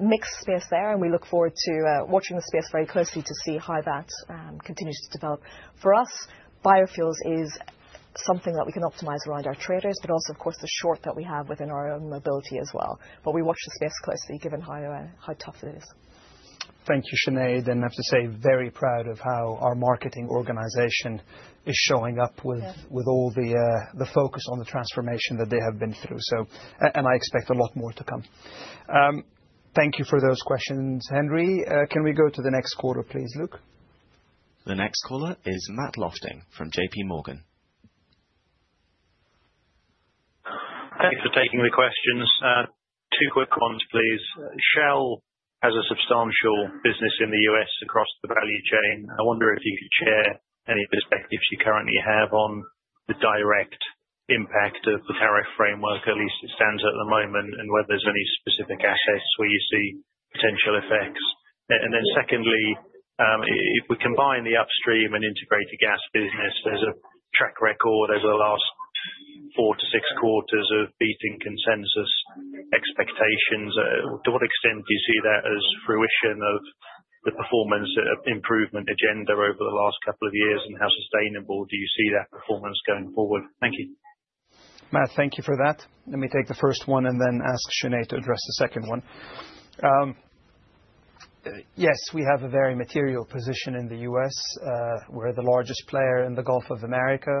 S1: Mixed space there, and we look forward to watching the space very closely to see how that continues to develop. For us, biofuels is something that we can optimize around our traders, but also, of course, the short that we have within our own Mobility as well. We watch the space closely given how tough it is.
S3: Thank you, Sinead. I have to say very proud of how our marketing organization is showing up with all the focus on the transformation that they have been through. I expect a lot more to come. Thank you for those questions, Henry. Can we go to the next quarter, please, Luke?
S2: The next caller is Matt Lofting from JPMorgan.
S11: Thanks for taking the questions. Two quick ones, please. Shell has a substantial business in the U.S. across the value chain. I wonder if you could share any perspectives you currently have on the direct impact of the tariff framework, at least as it stands at the moment, and whether there's any specific assets where you see potential effects. Secondly, if we combine the upstream and integrated gas business, there's a track record over the last four to six quarters of beating consensus expectations. To what extent do you see that as fruition of the performance improvement agenda over the last couple of years, and how sustainable do you see that performance going forward? Thank you.
S3: Matt, thank you for that. Let me take the first one and then ask Sinead to address the second one. Yes, we have a very material position in the U.S. We're the largest player in the Gulf of America,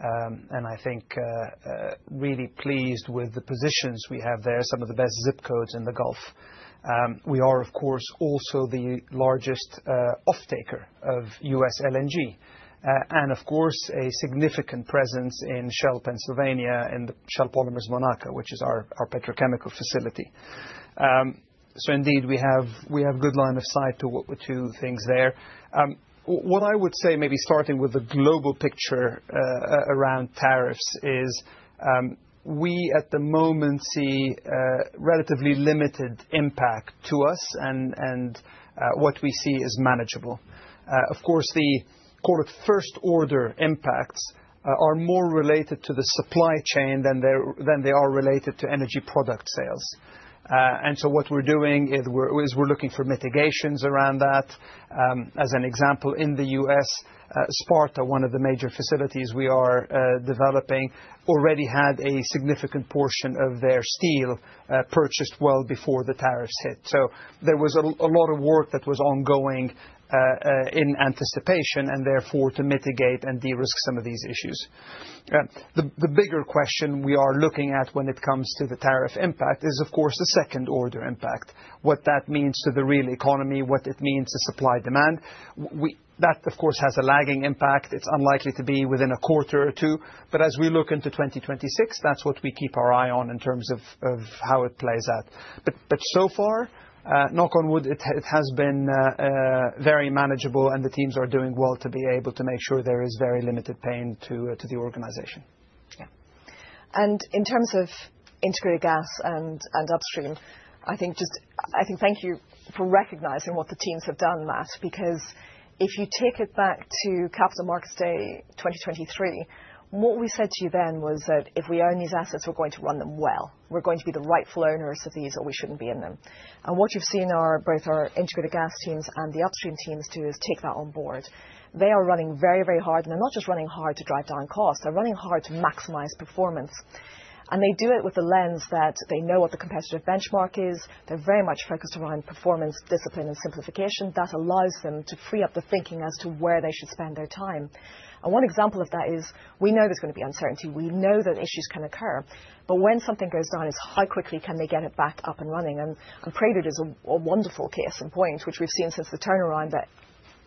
S3: and I think really pleased with the positions we have there, some of the best zip codes in the Gulf. We are, of course, also the largest offtaker of U.S. LNG and, of course, a significant presence in Shell Pennsylvania and Shell Polymers Monaca, which is our petrochemical facility. Indeed, we have good line of sight to things there. What I would say, maybe starting with the global picture around tariffs, is we at the moment see relatively limited impact to us, and what we see is manageable. Of course, the quarter first order impacts are more related to the supply chain than they are related to energy product sales. What we are doing is we are looking for mitigations around that. As an example, in the U.S., Sparta, one of the major facilities we are developing, already had a significant portion of their steel purchased well before the tariffs hit. There was a lot of work that was ongoing in anticipation and therefore to mitigate and de-risk some of these issues. The bigger question we are looking at when it comes to the tariff impact is, of course, the second order impact. What that means to the real economy, what it means to supply demand. That, of course, has a lagging impact. It is unlikely to be within a quarter or two. As we look into 2026, that is what we keep our eye on in terms of how it plays out. So far, knock on wood, it has been very manageable, and the teams are doing well to be able to make sure there is very limited pain to the organization.
S1: Yeah. In terms of integrated gas and upstream, I think just thank you for recognizing what the teams have done, Matt, because if you take it back to Capital Markets Day 2023, what we said to you then was that if we own these assets, we're going to run them well. We're going to be the rightful owners of these, or we shouldn't be in them. What you've seen are both our integrated gas teams and the upstream teams do is take that on board. They are running very, very hard, and they're not just running hard to drive down costs. They're running hard to maximize performance. They do it with the lens that they know what the competitive benchmark is. They're very much focused around performance, discipline, and simplification. That allows them to free up the thinking as to where they should spend their time. One example of that is we know there's going to be uncertainty. We know that issues can occur. When something goes down, it's how quickly can they get it back up and running? Prelude is a wonderful case in point, which we've seen since the turnaround that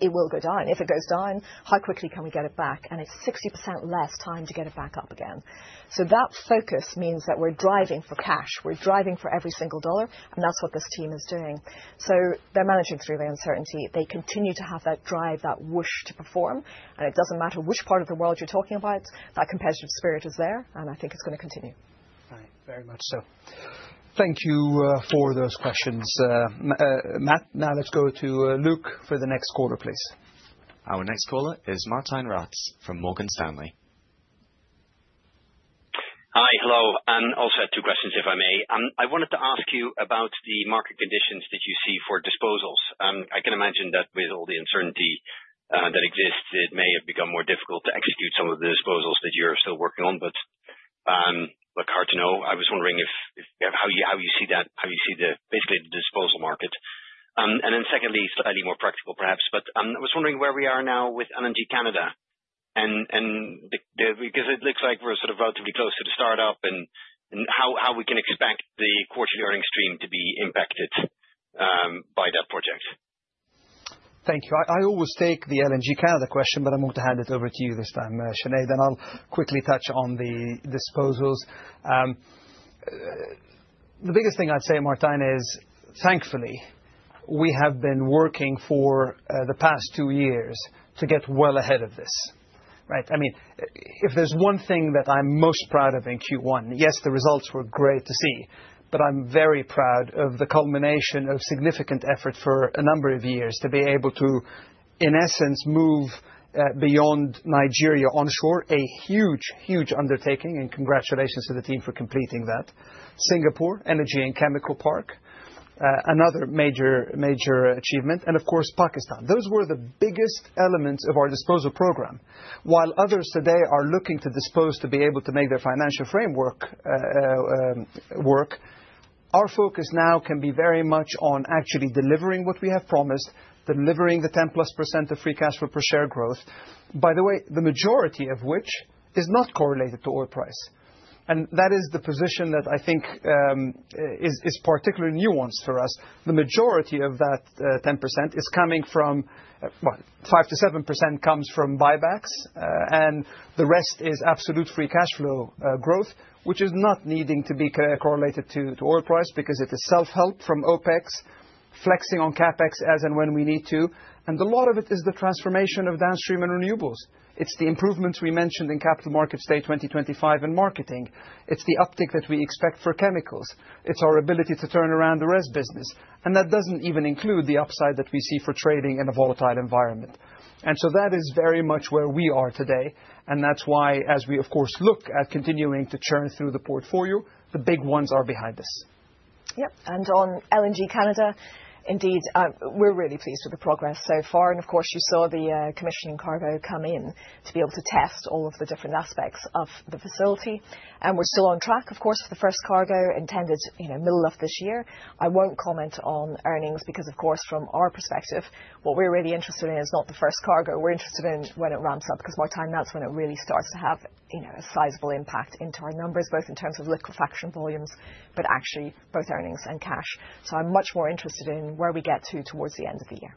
S1: it will go down. If it goes down, how quickly can we get it back? It's 60% less time to get it back up again. That focus means that we're driving for cash. We're driving for every single dollar, and that's what this team is doing. They're managing through the uncertainty. They continue to have that drive, that wish to perform. It doesn't matter which part of the world you're talking about, that competitive spirit is there, and I think it's going to continue.
S3: Very much so. Thank you for those questions. Matt, now let's go to Luke for the next quarter, please.
S2: Our next caller is Martijn Rats from Morgan Stanley.
S12: Hi, hello, and I'll share two questions if I may. I wanted to ask you about the market conditions that you see for disposals. I can imagine that with all the uncertainty that exists, it may have become more difficult to execute some of the disposals that you're still working on, but hard to know. I was wondering how you see that, how you see basically the disposal market. Then secondly, slightly more practical perhaps, but I was wondering where we are now with LNG Canada because it looks like we're sort of relatively close to the start-up and how we can expect the quarterly earnings stream to be impacted by that project.
S3: Thank you. I always take the LNG Canada question, but I'm going to hand it over to you this time, Sinead. I'll quickly touch on the disposals. The biggest thing I'd say, Martijn, is thankfully we have been working for the past two years to get well ahead of this. I mean, if there's one thing that I'm most proud of in Q1, yes, the results were great to see, but I'm very proud of the culmination of significant effort for a number of years to be able to, in essence, move beyond Nigeria onshore, a huge, huge undertaking, and congratulations to the team for completing that. Singapore, Energy and Chemicals Park, another major achievement. Of course, Pakistan. Those were the biggest elements of our disposal program. While others today are looking to dispose to be able to make their financial framework work, our focus now can be very much on actually delivering what we have promised, delivering the 10+% of free cash flow per share growth, by the way, the majority of which is not correlated to oil price. That is the position that I think is particularly nuanced for us. The majority of that 10% is coming from, well, 5%-7% comes from buybacks, and the rest is absolute free cash flow growth, which is not needing to be correlated to oil price because it is self-help from OpEx, flexing on CapEx as and when we need to. A lot of it is the transformation of downstream and renewables. It is the improvements we mentioned in Capital Markets Day 2025 in marketing. It is the uptick that we expect for chemicals. is our ability to turn around the rest business. That does not even include the upside that we see for trading in a volatile environment. That is very much where we are today. That is why, as we, of course, look at continuing to churn through the portfolio, the big ones are behind us.
S1: Yep. On LNG Canada, indeed, we're really pleased with the progress so far. Of course, you saw the commissioning cargo come in to be able to test all of the different aspects of the facility. We're still on track, of course, for the first cargo intended middle of this year. I won't comment on earnings because, of course, from our perspective, what we're really interested in is not the first cargo. We're interested in when it ramps up because Martijn, that's when it really starts to have a sizable impact into our numbers, both in terms of liquefaction volumes, but actually both earnings and cash. I'm much more interested in where we get to towards the end of the year.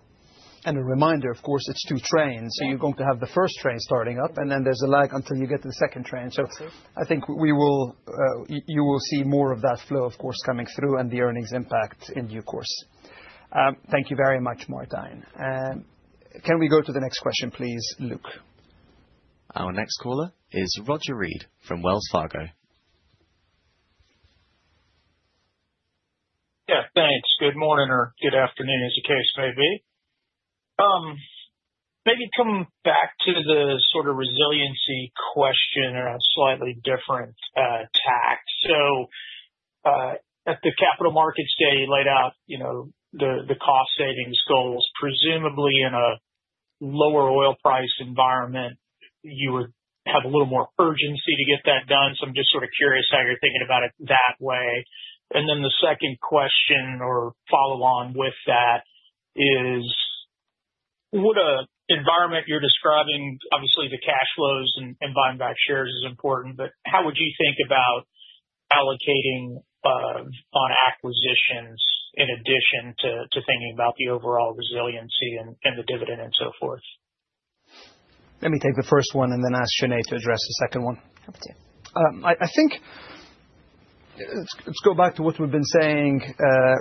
S3: A reminder, of course, it's two trains. You're going to have the first train starting up, and then there's a lag until you get to the second train. I think you will see more of that flow, of course, coming through and the earnings impact in due course. Thank you very much, Martijn. Can we go to the next question, please, Luke?
S2: Our next caller is Roger Read from Wells Fargo.
S13: Yeah, thanks. Good morning or good afternoon, as the case may be. Maybe come back to the sort of resiliency question around slightly different tack. At the Capital Markets Day you laid out the cost savings goals. Presumably in a lower oil price environment, you would have a little more urgency to get that done. I'm just sort of curious how you're thinking about it that way. The second question or follow-on with that is, with the environment you're describing, obviously the cash flows and buying back shares is important, but how would you think about allocating on acquisitions in addition to thinking about the overall resiliency and the dividend and so forth?
S3: Let me take the first one and then ask Sinead to address the second one.
S1: Have a seat.
S3: I think let's go back to what we've been saying,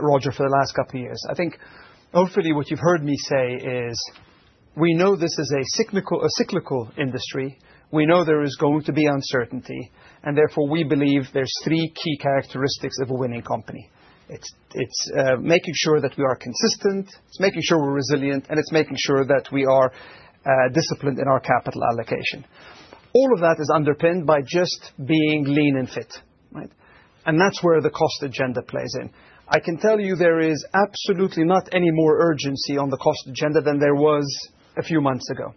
S3: Roger, for the last couple of years. I think hopefully what you've heard me say is we know this is a cyclical industry. We know there is going to be uncertainty, and therefore we believe there's three key characteristics of a winning company. It's making sure that we are consistent. It's making sure we're resilient, and it's making sure that we are disciplined in our capital allocation. All of that is underpinned by just being lean and fit. That's where the cost agenda plays in. I can tell you there is absolutely not any more urgency on the cost agenda than there was a few months ago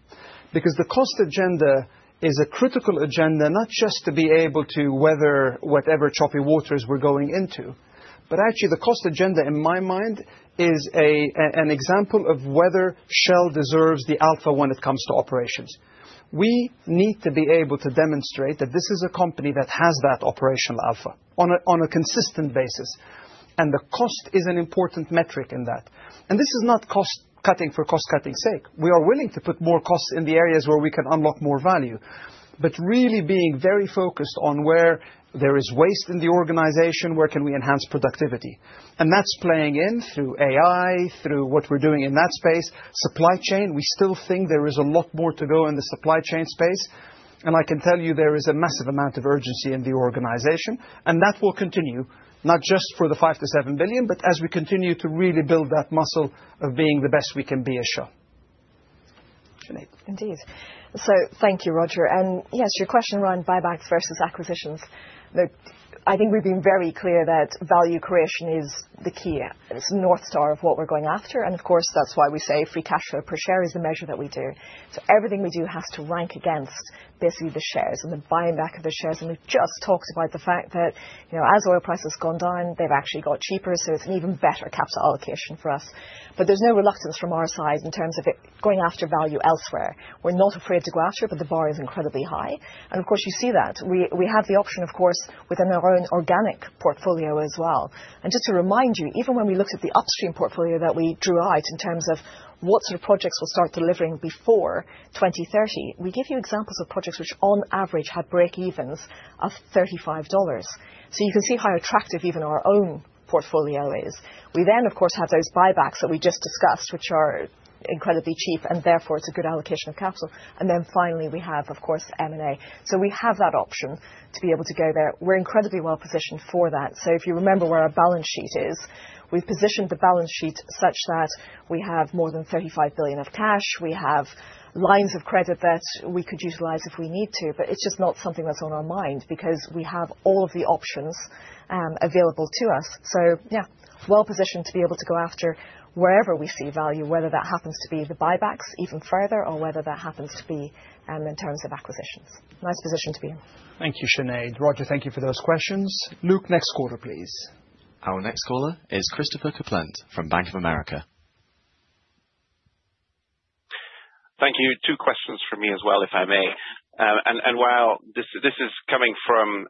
S3: because the cost agenda is a critical agenda, not just to be able to weather whatever choppy waters we're going into, but actually the cost agenda in my mind is an example of whether Shell deserves the alpha when it comes to operations. We need to be able to demonstrate that this is a company that has that operational alpha on a consistent basis. The cost is an important metric in that. This is not cost cutting for cost cutting's sake. We are willing to put more costs in the areas where we can unlock more value, but really being very focused on where there is waste in the organization, where can we enhance productivity? That is playing in through AI, through what we are doing in that space. Supply chain, we still think there is a lot more to go in the supply chain space. I can tell you there is a massive amount of urgency in the organization, and that will continue not just for the $5 billion-$7 billion, but as we continue to really build that muscle of being the best we can be as Shell. Sinead?
S1: Indeed. Thank you, Roger. Yes, your question around buybacks versus acquisitions. I think we've been very clear that value creation is the key. It's the North Star of what we're going after. Of course, that's why we say free cash flow per share is the measure that we do. Everything we do has to rank against basically the shares and the buying back of the shares. We've just talked about the fact that as oil prices have gone down, they've actually got cheaper. It's an even better capital allocation for us. There's no reluctance from our side in terms of going after value elsewhere. We're not afraid to go after it, but the bar is incredibly high. Of course, you see that. We have the option, of course, within our own organic portfolio as well. Just to remind you, even when we looked at the upstream portfolio that we drew out in terms of what sort of projects we will start delivering before 2030, we give you examples of projects which on average have break-evens of $35. You can see how attractive even our own portfolio is. We then, of course, have those buybacks that we just discussed, which are incredibly cheap, and therefore it is a good allocation of capital. Finally, we have, of course, M&A. We have that option to be able to go there. We are incredibly well positioned for that. If you remember where our balance sheet is, we have positioned the balance sheet such that we have more than $35 billion of cash. We have lines of credit that we could utilize if we need to, but it's just not something that's on our mind because we have all of the options available to us. Yeah, well positioned to be able to go after wherever we see value, whether that happens to be the buybacks even further or whether that happens to be in terms of acquisitions. Nice position to be in.
S3: Thank you, Sinead. Roger, thank you for those questions. Luke, next quarter, please.
S2: Our next caller is Christopher Kuplent from Bank of America.
S14: Thank you. Two questions from me as well, if I may. While this is coming from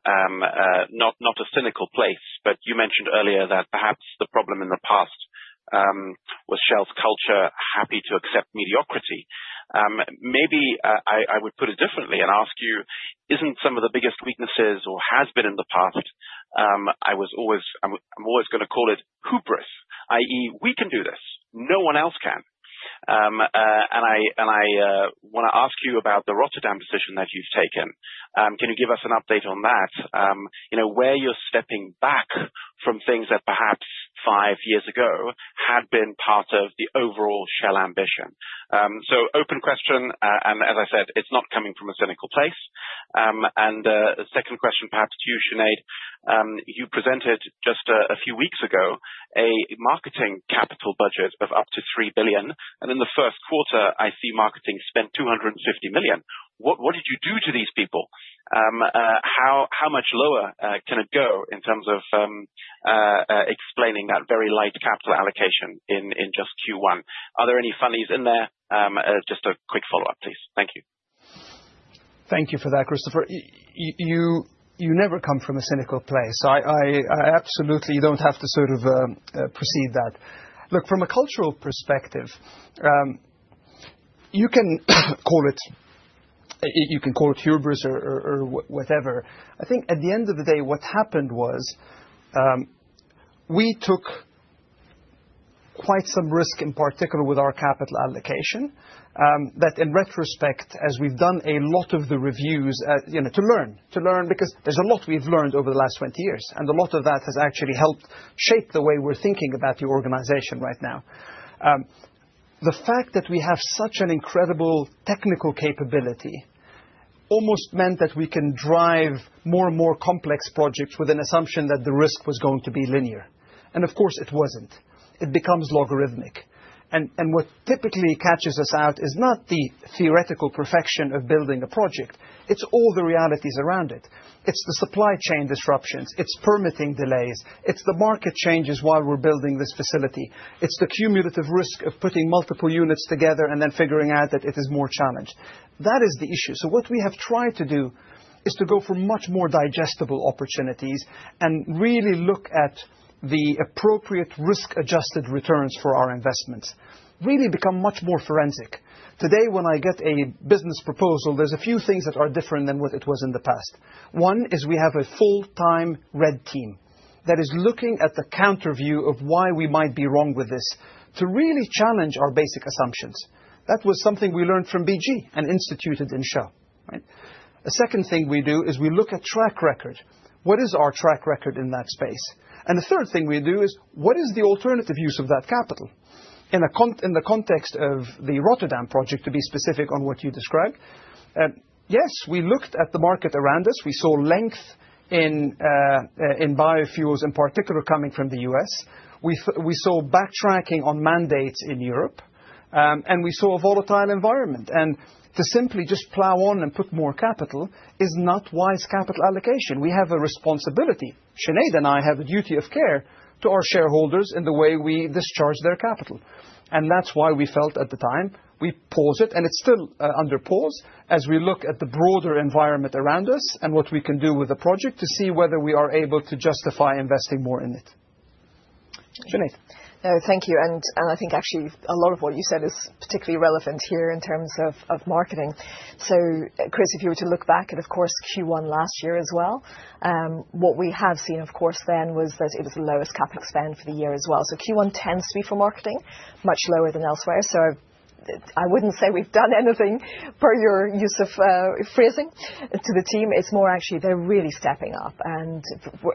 S14: not a cynical place, you mentioned earlier that perhaps the problem in the past was Shell's culture happy to accept mediocrity. Maybe I would put it differently and ask you, isn't some of the biggest weaknesses or has been in the past, I'm always going to call it hubris, i.e., we can do this. No one else can. I want to ask you about the Rotterdam position that you've taken. Can you give us an update on that, where you're stepping back from things that perhaps five years ago had been part of the overall Shell ambition? Open question. As I said, it's not coming from a cynical place. Second question, perhaps to you, Sinead. You presented just a few weeks ago a marketing capital budget of up to $3 billion. In the first quarter, I see marketing spent $250 million. What did you do to these people? How much lower can it go in terms of explaining that very light capital allocation in just Q1? Are there any funnies in there? Just a quick follow-up, please. Thank you.
S3: Thank you for that, Christopher. You never come from a cynical place. I absolutely do not have to sort of precede that. Look, from a cultural perspective, you can call it hubris or whatever. I think at the end of the day, what happened was we took quite some risk in particular with our capital allocation that in retrospect, as we have done a lot of the reviews to learn, to learn because there is a lot we have learned over the last 20 years, and a lot of that has actually helped shape the way we are thinking about the organization right now. The fact that we have such an incredible technical capability almost meant that we can drive more and more complex projects with an assumption that the risk was going to be linear. Of course, it was not. It becomes logarithmic. What typically catches us out is not the theoretical perfection of building a project. It is all the realities around it. It is the supply chain disruptions. It is permitting delays. It is the market changes while we are building this facility. It is the cumulative risk of putting multiple units together and then figuring out that it is more challenged. That is the issue. What we have tried to do is to go for much more digestible opportunities and really look at the appropriate risk-adjusted returns for our investments. Really become much more forensic. Today, when I get a business proposal, there are a few things that are different than what it was in the past. One is we have a full-time red team that is looking at the counterview of why we might be wrong with this to really challenge our basic assumptions. That was something we learned from BG and instituted in Shell. A second thing we do is we look at track record. What is our track record in that space? The third thing we do is what is the alternative use of that capital in the context of the Rotterdam project, to be specific on what you described? Yes, we looked at the market around us. We saw length in biofuels in particular coming from the U.S. We saw backtracking on mandates in Europe, and we saw a volatile environment. To simply just plow on and put more capital is not wise capital allocation. We have a responsibility. Sinead and I have a duty of care to our shareholders in the way we discharge their capital. That is why we felt at the time we pause it, and it is still under pause as we look at the broader environment around us and what we can do with the project to see whether we are able to justify investing more in it. Sinead.
S1: Thank you. I think actually a lot of what you said is particularly relevant here in terms of marketing. Chris, if you were to look back at, of course, Q1 last year as well, what we have seen, of course, then was that it was the lowest CapEx spend for the year as well. Q1 tends to be for marketing, much lower than elsewhere. I would not say we have done anything per your use of phrasing to the team. It is more actually they are really stepping up.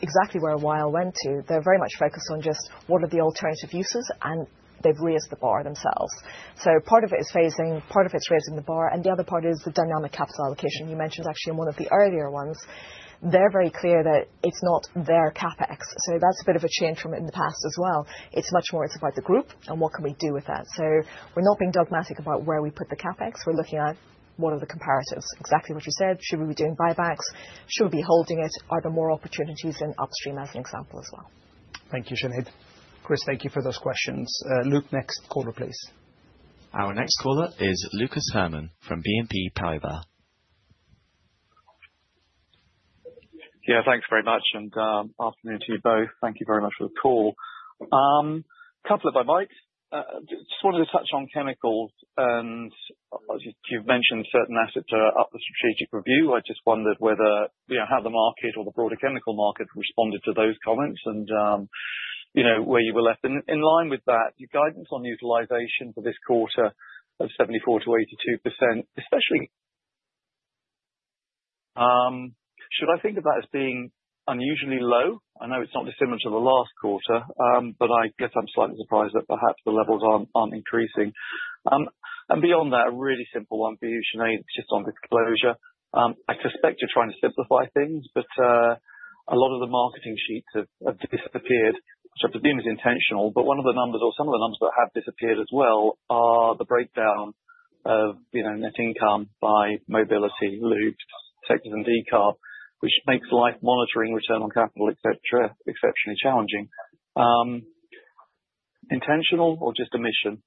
S1: Exactly where Wael went to, they are very much focused on just what are the alternative uses, and they have raised the bar themselves. Part of it is phasing, part of it is raising the bar, and the other part is the dynamic capital allocation. You mentioned actually in one of the earlier ones, they're very clear that it's not their CapEx. That is a bit of a change from in the past as well. It is much more about the group and what can we do with that. We are not being dogmatic about where we put the CapEx. We are looking at what are the comparatives, exactly what you said. Should we be doing buybacks? Should we be holding it? Are there more opportunities in upstream as an example as well?
S3: Thank you, Sinead. Chris, thank you for those questions. Luke, next caller, please.
S2: Our next caller is Lucas Herrmann from BNP Paribas.
S15: Yeah, thanks very much and afternoon to you both. Thank you very much for the call. A couple of, I might just wanted to touch on Chemicals. As you've mentioned, certain assets are up for strategic review. I just wondered whether how the market or the broader chemical market responded to those comments and where you were left in line with that. Your guidance on utilization for this quarter of 74%-82%, especially should I think of that as being unusually low? I know it's not dissimilar to the last quarter, but I guess I'm slightly surprised that perhaps the levels aren't increasing. Beyond that, a really simple one for you, Sinead, just on disclosure. I suspect you're trying to simplify things, but a lot of the marketing sheets have disappeared, which I presume is intentional. One of the numbers or some of the numbers that have disappeared as well are the breakdown of net income by Mobility, Lubricants, Sectors and Decarb, which makes life monitoring, return on capital, etc., exceptionally challenging. Intentional or just omission?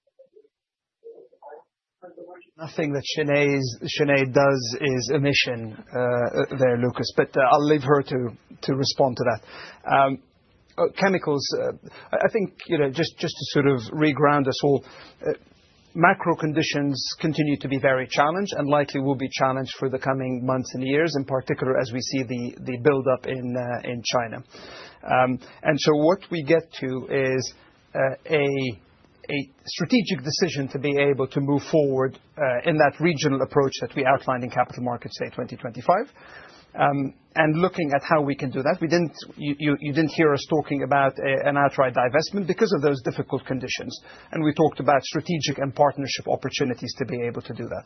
S3: Nothing that Sinead does is omission there, Lucas, but I'll leave her to respond to that. Chemicals, I think just to sort of reground us all, macro conditions continue to be very challenged and likely will be challenged for the coming months and years, in particular as we see the build-up in China. What we get to is a strategic decision to be able to move forward in that regional approach that we outlined in Capital Markets Day 2025 and looking at how we can do that. You didn't hear us talking about an outright divestment because of those difficult conditions. We talked about strategic and partnership opportunities to be able to do that.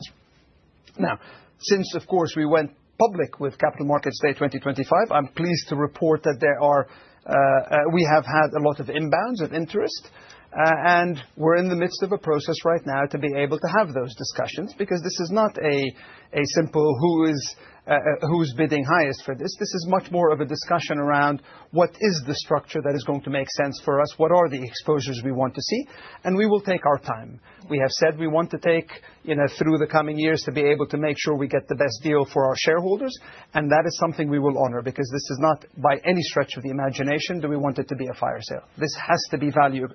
S3: Now, since, of course, we went public with Capital Markets Day 2025, I'm pleased to report that we have had a lot of inbounds of interest. We are in the midst of a process right now to be able to have those discussions because this is not a simple who is bidding highest for this. This is much more of a discussion around what is the structure that is going to make sense for us? What are the exposures we want to see? We will take our time. We have said we want to take through the coming years to be able to make sure we get the best deal for our shareholders. That is something we will honor because this is not by any stretch of the imagination that we want it to be a fire sale. This has to be value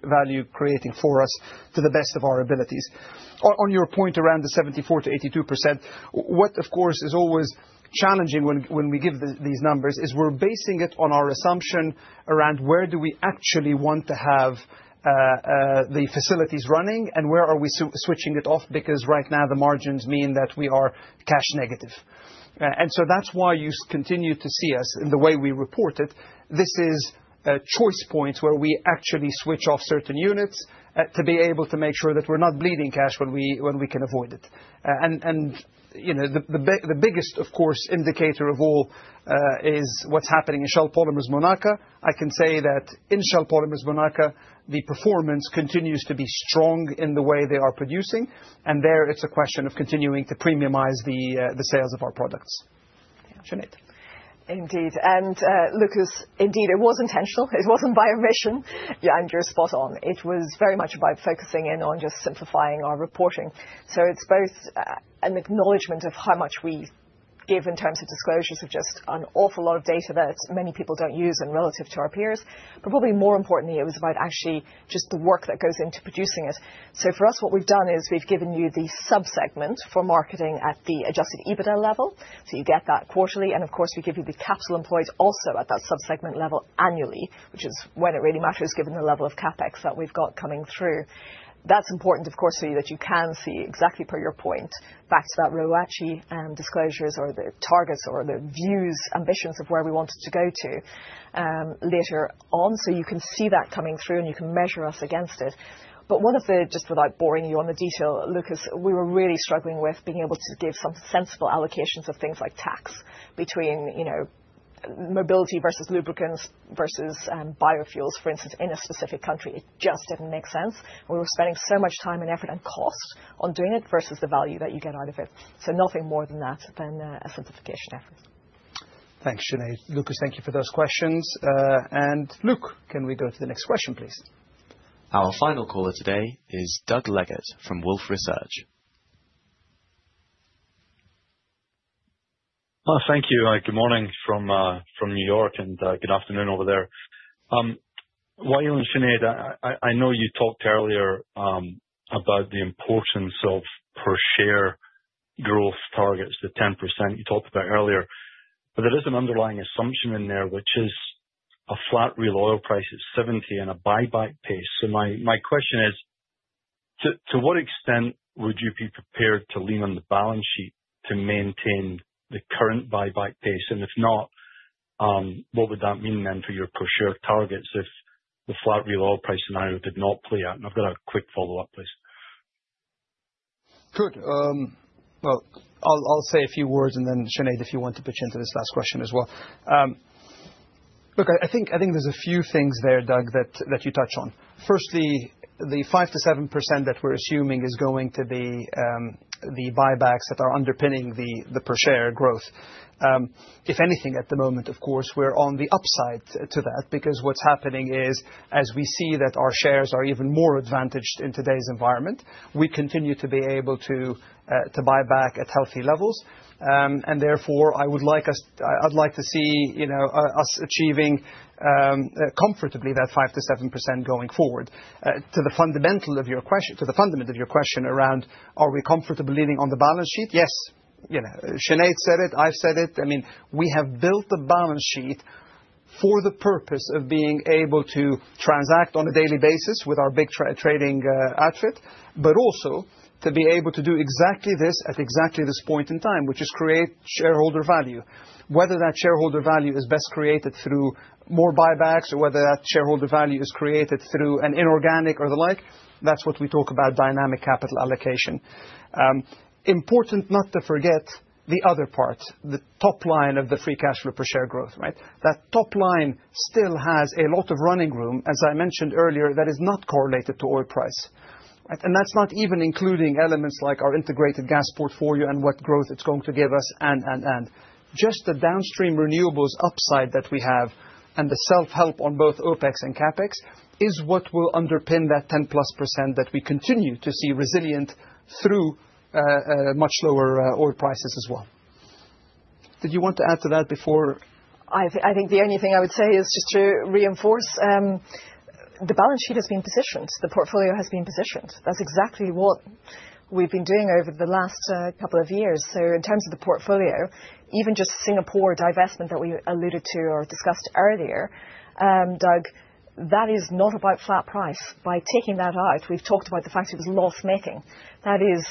S3: creating for us to the best of our abilities. On your point around the 74%-82%, what, of course, is always challenging when we give these numbers is we're basing it on our assumption around where do we actually want to have the facilities running and where are we switching it off because right now the margins mean that we are cash negative. That is why you continue to see us in the way we report it. This is a choice point where we actually switch off certain units to be able to make sure that we're not bleeding cash when we can avoid it. The biggest, of course, indicator of all is what's happening in Shell Polymers Monaca. I can say that in Shell Polymers Monaca, the performance continues to be strong in the way they are producing. There it's a question of continuing to premiumize the sales of our products. Sinead.
S1: Indeed. And Lucas, indeed, it was intentional. It was not by omission. You are spot on. It was very much about focusing in on just simplifying our reporting. It is both an acknowledgment of how much we give in terms of disclosures of just an awful lot of data that many people do not use and relative to our peers. Probably more importantly, it was about actually just the work that goes into producing it. For us, what we have done is we have given you the sub-segment for marketing at the adjusted EBITDA level. You get that quarterly. Of course, we give you the capital employed also at that subsegment level annually, which is when it really matters given the level of CapEx that we have got coming through. That's important, of course, so that you can see exactly per your point back to that Rwachi disclosures or the targets or the views, ambitions of where we wanted to go to later on. You can see that coming through and you can measure us against it. One of the, just without boring you on the detail, Lucas, we were really struggling with being able to give some sensible allocations of things like tax between mobility versus lubricants versus biofuels, for instance, in a specific country. It just did not make sense. We were spending so much time and effort and cost on doing it versus the value that you get out of it. Nothing more than that than a simplification effort.
S3: Thanks, Sinead. Lucas, thank you for those questions. Luke, can we go to the next question, please?
S2: Our final caller today is Doug Leggate from Wolfe Research.
S16: Thank you. Good morning from New York and good afternoon over there. While you're on Sinead, I know you talked earlier about the importance of per share growth targets, the 10% you talked about earlier. There is an underlying assumption in there, which is a flat real oil price at $70 and a buyback pace. My question is, to what extent would you be prepared to lean on the balance sheet to maintain the current buyback pace? If not, what would that mean then for your per share targets if the flat real oil price scenario did not play out? I have a quick follow up, please.
S3: Good. I'll say a few words and then Sinead, if you want to pitch into this last question as well. Look, I think there's a few things there, Doug, that you touch on. Firstly, the 5%-7% that we're assuming is going to be the buybacks that are underpinning the per share growth. If anything, at the moment, of course, we're on the upside to that because what's happening is as we see that our shares are even more advantaged in today's environment, we continue to be able to buy back at healthy levels. Therefore, I would like us, I'd like to see us achieving comfortably that 5%-7% going forward. To the fundamental of your question, to the fundamental of your question around, are we comfortable leaning on the balance sheet? Yes. Sinead said it, I've said it. I mean, we have built the balance sheet for the purpose of being able to transact on a daily basis with our big trading outfit, but also to be able to do exactly this at exactly this point in time, which is create shareholder value. Whether that shareholder value is best created through more buybacks or whether that shareholder value is created through an inorganic or the like, that is what we talk about dynamic capital allocation. Important not to forget the other part, the top line of the free cash flow per share growth. That top line still has a lot of running room, as I mentioned earlier, that is not correlated to oil price. That is not even including elements like our integrated gas portfolio and what growth it is going to give us and, and, and. Just the downstream renewables upside that we have and the self-help on both OpEx and CapEx is what will underpin that 10+% that we continue to see resilient through much lower oil prices as well. Did you want to add to that before?
S1: I think the only thing I would say is just to reinforce the balance sheet has been positioned. The portfolio has been positioned. That's exactly what we've been doing over the last couple of years. In terms of the portfolio, even just Singapore divestment that we alluded to or discussed earlier, Doug, that is not about flat price. By taking that out, we've talked about the fact it was loss making. That is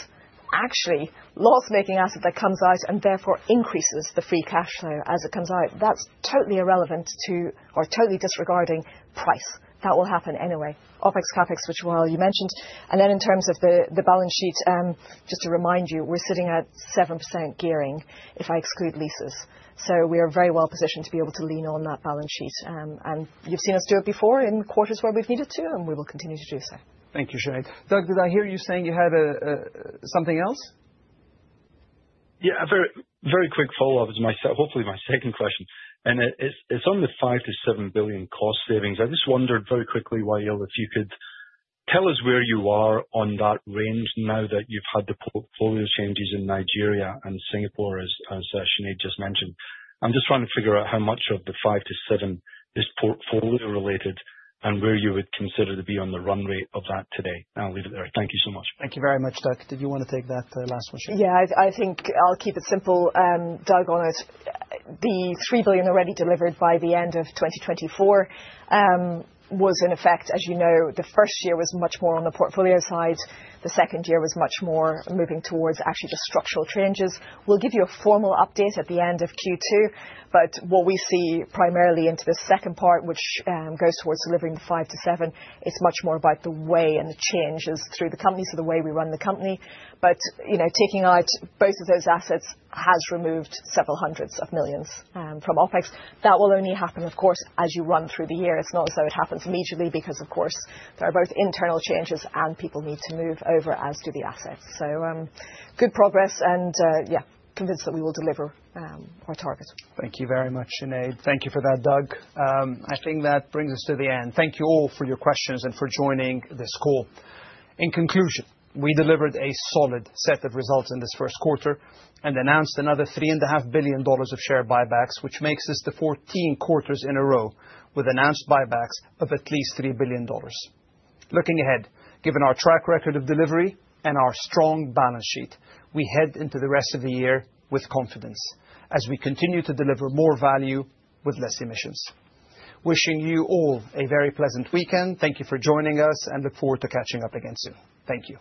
S1: actually loss making asset that comes out and therefore increases the free cash flow as it comes out. That's totally irrelevant to or totally disregarding price. That will happen anyway. OpEx, CapEx, which Wael you mentioned. In terms of the balance sheet, just to remind you, we're sitting at 7% gearing if I exclude leases. We are very well positioned to be able to lean on that balance sheet. You have seen us do it before in quarters where we have needed to, and we will continue to do so.
S3: Thank you, Sinead. Doug, did I hear you saying you had something else?
S16: Yeah, very quick follow-up is hopefully my second question. It's on the $5 billion-$7 billion cost savings. I just wondered very quickly, Wael, if you could tell us where you are on that range now that you've had the portfolio changes in Nigeria and Singapore, as Sinead just mentioned. I'm just trying to figure out how much of the $5 billion-$7 billion is portfolio related and where you would consider to be on the run rate of that today. I'll leave it there. Thank you so much.
S3: Thank you very much, Doug. Did you want to take that last one?
S1: Yeah, I think I'll keep it simple, Doug, on it. The $3 billion already delivered by the end of 2024 was, in effect, as you know, the first year was much more on the portfolio side. The second year was much more moving towards actually just structural changes. We'll give you a formal update at the end of Q2, but what we see primarily into the second part, which goes towards delivering the $5 billion-$7 billion, it's much more about the way and the changes through the company, so the way we run the company. Taking out both of those assets has removed several hundreds of millions from OpEx. That will only happen, of course, as you run through the year. It's not as though it happens immediately because, of course, there are both internal changes and people need to move over as do the assets. Good progress and yeah, convinced that we will deliver our target.
S3: Thank you very much, Sinead. Thank you for that, Doug. I think that brings us to the end. Thank you all for your questions and for joining this call. In conclusion, we delivered a solid set of results in this first quarter and announced another $3.5 billion of share buybacks, which makes this the 14 quarters in a row with announced buybacks of at least $3 billion. Looking ahead, given our track record of delivery and our strong balance sheet, we head into the rest of the year with confidence as we continue to deliver more value with less emissions. Wishing you all a very pleasant weekend. Thank you for joining us and look forward to catching up again soon. Thank you.